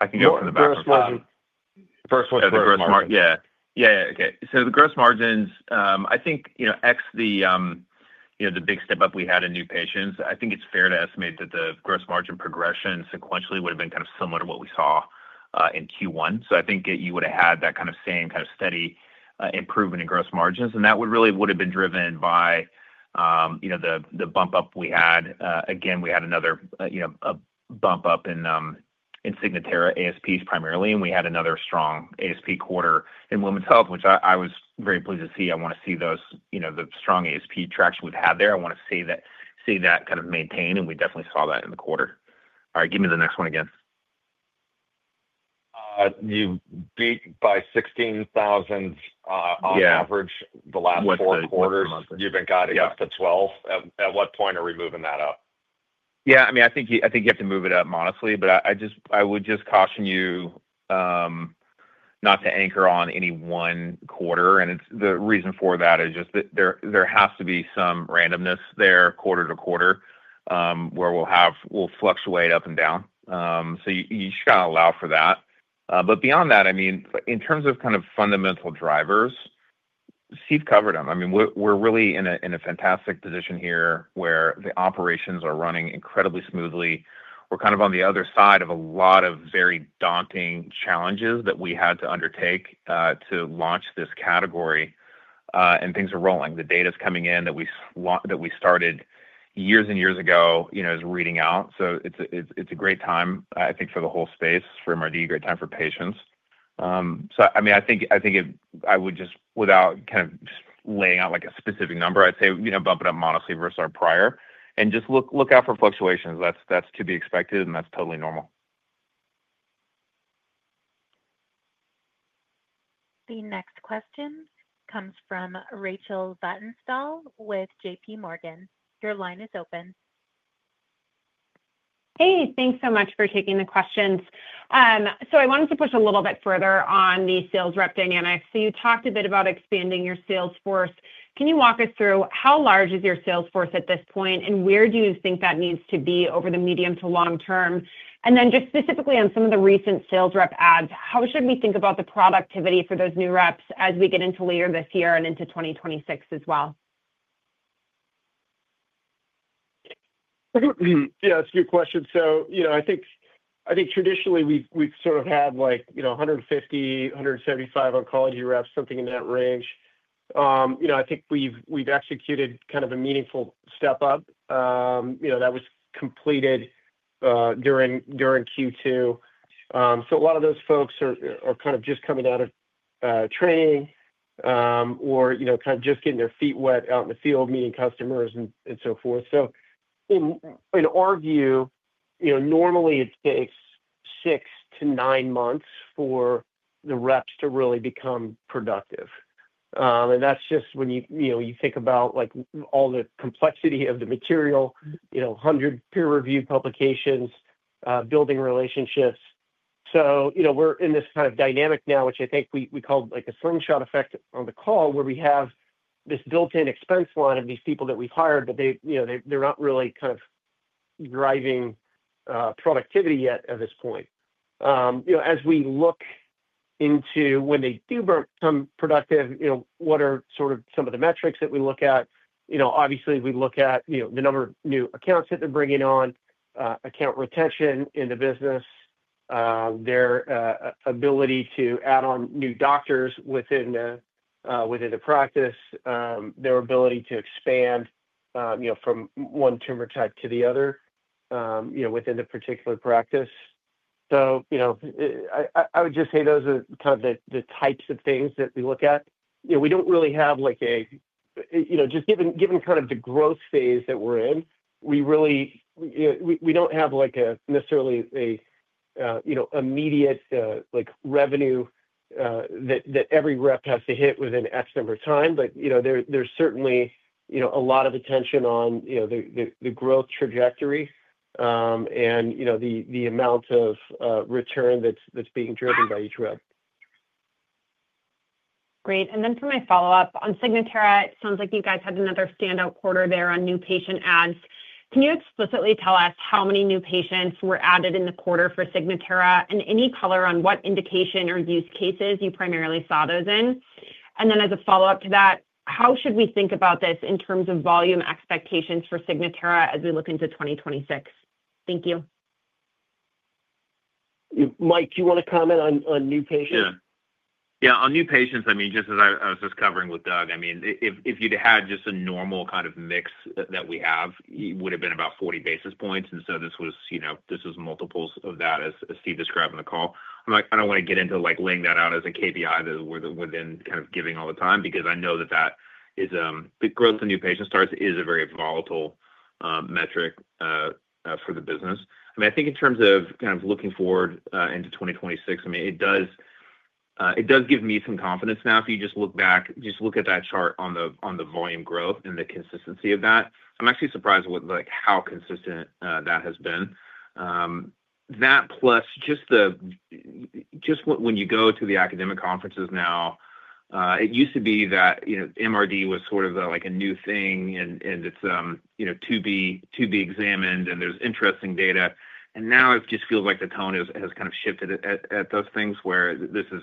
Speaker 2: I can go from the back.
Speaker 9: First one.
Speaker 2: Yeah, yeah. Okay. The gross margins, I think, you know, excluding the, you know, the big step up we had in new patients, I think it's fair to estimate that the gross margin progression sequentially would have been kind of similar to what we saw in Q1. You would have had that same kind of steady improvement in gross margins. That really would have been driven by the bump up we had. Again, we had another bump up in Signatera ASPs primarily, and we had another strong ASP quarter in Women's Health, which I was very pleased to see. I want to see those, the strong ASP traction we've had there. I want to see that kind of maintain. We definitely saw that in the quarter. All right, give me the next one again.
Speaker 9: You beat by $16,000, on average, the last four quarters. You've been guiding up to $12,000. At what point are we moving that up?
Speaker 2: Yeah, I mean, I think you have to move it up modestly, but I would just caution you not to anchor on any one quarter. The reason for that is just that there has to be some randomness there, quarter to quarter, where we'll have. We'll fluctuate up and down. You just gotta allow for that. Beyond that, in terms of kind of fundamental drivers, Steve covered them. We're really in a fantastic position here where the operations are running incredibly smoothly. We're kind of on the other side of a lot of very daunting challenges that we had to undertake to launch this category, and things are rolling. The data's coming in that we started years and years ago, you know, is reading out. It's a great time, I think, for the whole space for MRD, great time for patients. I think it. I would just, without kind of laying out like a specific number, I'd say, you know, bump it up modestly versus our prior and just look. Look out for fluctuations. That's to be expected, and that's totally normal.
Speaker 1: The next question comes from Rachel Vatnsdal with JPMorgan. Your line is open.
Speaker 10: Hey, thanks so much for taking the questions. I wanted to push a little bit further on the sales rep dynamics. You talked a bit about expanding your sales force. Can you walk us through how large is your sales force at this point, and where do you think that needs to be over the medium to long term? Just specifically on some of the recent sales rep ads, how should we think about the productivity for those new reps as we get into later this year and into 2026?
Speaker 3: Yeah, that's a good question. I think, I think. Traditionally we've sort of had, you know, 150, 175 oncology reps, something in that range. I think we've executed kind of a meaningful step up that was completed during Q2. A lot of those folks are just coming out of training or just getting their feet wet out in the field, meeting cusTOMRs and so forth. In our view, normally it takes six to nine months for the reps to really become productive. That's just when you think about all the complexity of the material, 100 peer-reviewed publications, building relationships. We're in this kind of dynamic now, which I think we called a slingshot effect on the call, where we have this built-in expense line of these people that we've hired, but they're not really driving productivity yet at this point. As we look into when they do become productive, what are some of the metrics that we look at? Obviously, we look at the number of new accounts that they're bringing on, account retention in the business, their ability to add on new doctors within the practice, their ability to expand from one tumor type to the other within the particular practice. I would just say those are the types of things that we look at. We don't really have, just given the growth phase that we're in, we really don't have necessarily an immediate revenue that every rep has to hit within X number of time. There's certainly a lot of attention on the growth trajectory and the amount of return that's being driven by each rep.
Speaker 10: Great. For my follow up on Signatera, it sounds like you guys had another standout quarter there on new patient ads. Can you explicitly tell us how many new patients were added in the quarter for Signatera, and any color on what indication or use cases you primarily saw those in? As a follow up to that, how should we think about this in terms of volume expectations for Signatera as we look into 2026?
Speaker 3: Thank you. Mike, you want to comment on new patients?
Speaker 2: Yeah, on new patients. I mean, just as I was just covering with Doug, if you'd had just a normal kind of mix that we have, it would have been about 40 basis points. This was multiples that, as Steve described in the call. I don't want to get into laying that out as a KPI within kind of giving all the time because I know that the growth of new patient starts is a very volatile metric for the business. I think in terms of looking forward into 2026, it does give me some confidence. If you just look back, just look at that chart on the volume growth and the consistency of that. I'm actually surprised with how consistent that has been. That plus just when you. Go to the academic conferences now. It used to be that MRD was sort of like a new thing and it's to be examined and there's interesting data, and now it just feels like the tone has kind of shifted at those things where this is,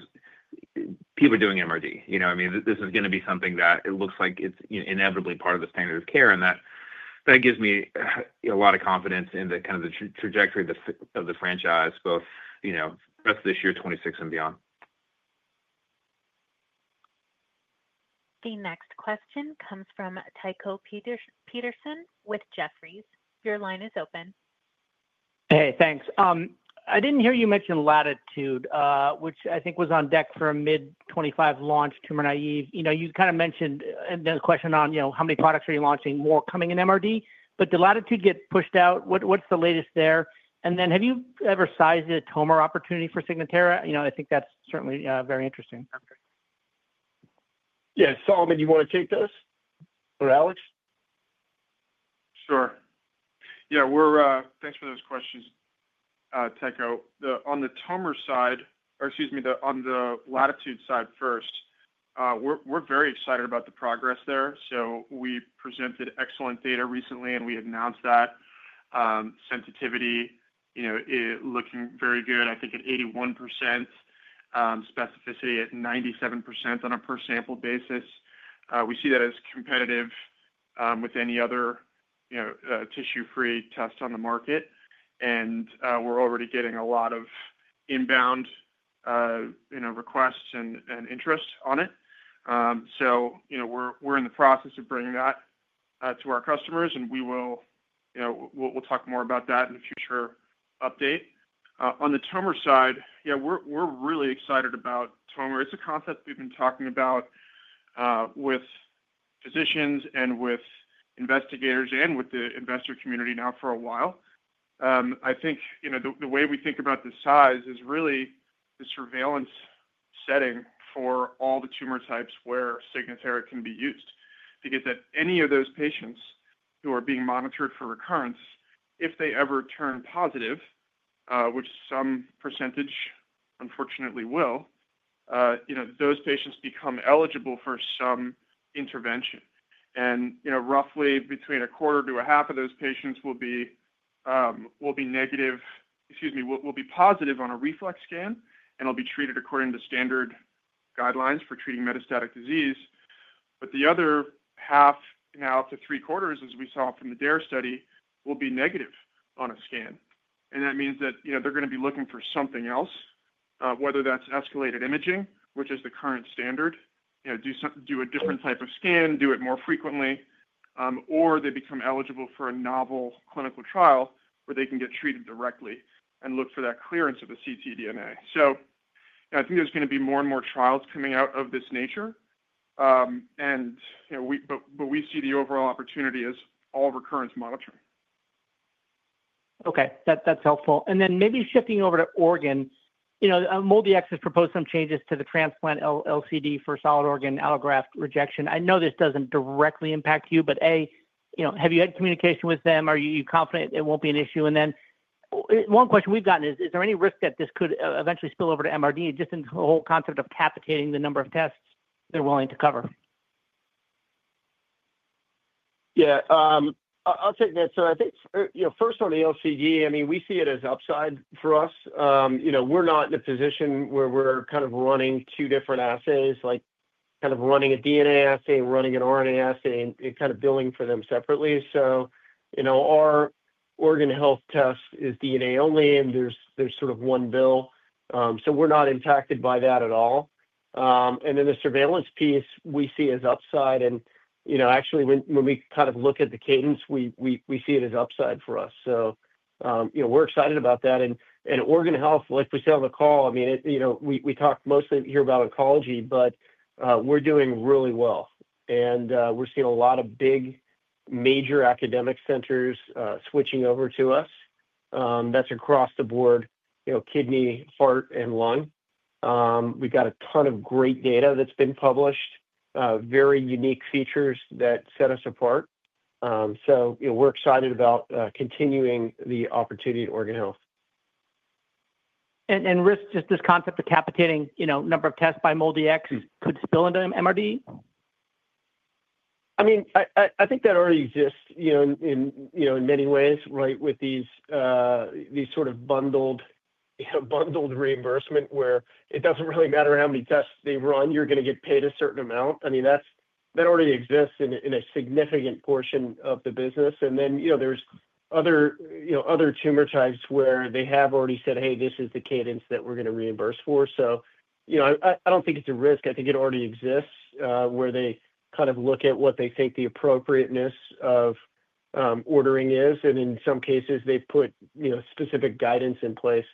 Speaker 2: people are doing MRD, you know, I mean this is going to be something that it looks like it's inevitably part of the standard of care, and that gives me a lot of confidence in the kind of the trajectory of the franchise both, you know, up to this year 2026 and beyond.
Speaker 1: The next question comes from Tycho Peterson with Jefferies. Your line is open.
Speaker 11: Hey, thanks. I didn't hear you mention Latitude, which I think was on deck for a mid-2025 launch, tumor naive. You know, you kind of mentioned the question on, you know, how many products are you launching, more coming in MRD, but did Latitude get pushed out? What's the latest there? Have you ever sized the tumor opportunity for Signatera? You know, I think that's certainly very interesting.
Speaker 3: Yeah. Solomon, you want to take those or Alex? Sure. Yeah, we're.
Speaker 4: Thanks for those questions. On the tumor side, or excuse me, on the latitude side first, we're very excited about the progress there. We presented excellent data recently and we announced that sensitivity, you know, looking very good. I think at 81% specificity, at 97% on a per sample basis. We see that as competitive with any other, you know, tissue-free test on the market. We're already getting a lot of inbound requests and interest on it. We're in the process of bringing that to our cusTOMRs and we'll talk more about that in a future update. On the tumor side, we're really excited about tumor. It's a concept we've been talking about with physicians and with investigators and with the investor community now for a while. I think, you know, the way we think about the size is really the surveillance setting for all the tumor types where Signatera can be used to get that any of those patients who are being monitored for recurrence, if they ever turn positive, which some percentage, unfortunately, will, those patients become eligible for some intervention. Roughly between a quarter to a half of those patients will be positive on a reflex scan and will be treated according to standard guidelines for treating metastatic disease. The other half, now to three quarters, as we saw from the DARE study, will be negative on a scan. That means they're going to be looking for something else, whether that's escalated imaging, which is the current standard, do something, do a different type of scan, do it more frequently, or they become eligible for a novel clinical trial where they can get treated directly and look for that clearance of the ctDNA. I think there's going to be more and more trials coming out of this nature. And. We see the overall opportunity as all recurrence monitoring.
Speaker 11: Okay, that's helpful. Maybe shifting over to Oregon, MolDX has proposed some changes to the transplant LCD for solid organ allograft rejection. I know this doesn't directly impact you, but have you had communication with them? Are you confident it won't be an issue? One question we've gotten is, is there any risk that this could eventually spill over to MRD, just in the whole concept of capitating the number of tests they're willing to cover?
Speaker 3: Yeah, I'll take that. First on the LCD, we see it as upside for us. We're not in a position where we're kind of running two different assays, like running a DNA assay, running an RNA assay, and billing for them separately. Our organ health test is DNA only, and there's sort of one bill, so we're not impacted by that at all. The surveillance piece we see as upside. Actually, when we look at the cadence, we see it as upside for us. We're excited about that. Oregon Health, like we said on the call, we talk mostly here about oncology, but we're doing really well. We're seeing a lot of big major academic centers switching over to us. That's across the board: kidney, heart, and lung. We've got a ton of great data that's been published, very unique features that set us apart. We're excited about continuing the opportunity at Oregon Health.
Speaker 11: Just this concept of capitating the number of tests by MolDX could spill into MRD.
Speaker 3: I think that already exists in many ways, right? With these sort of bundled reimbursement where it doesn't really matter how many tests they run, you're going to get paid a certain amount. That already exists in a significant portion of the business. There are other tumor types where they have already said, hey, this is the cadence that we're going to reimburse for. I don't think it's a risk. I think it already exists where they look at what they think the appropriateness of ordering is, and in some cases they put specific guidance in place.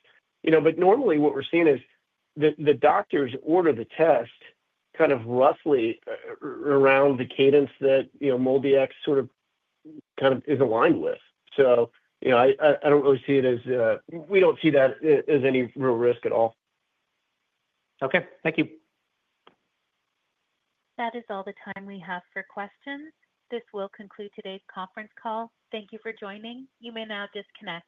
Speaker 3: Normally what we're seeing is the doctors order the test roughly around the cadence that MolDX is aligned with. I don't really see it as any real risk at all.
Speaker 11: Okay, thank you.
Speaker 1: That is all the time we have for questions. This will conclude today's conference call. Thank you for joining. You may now disconnect.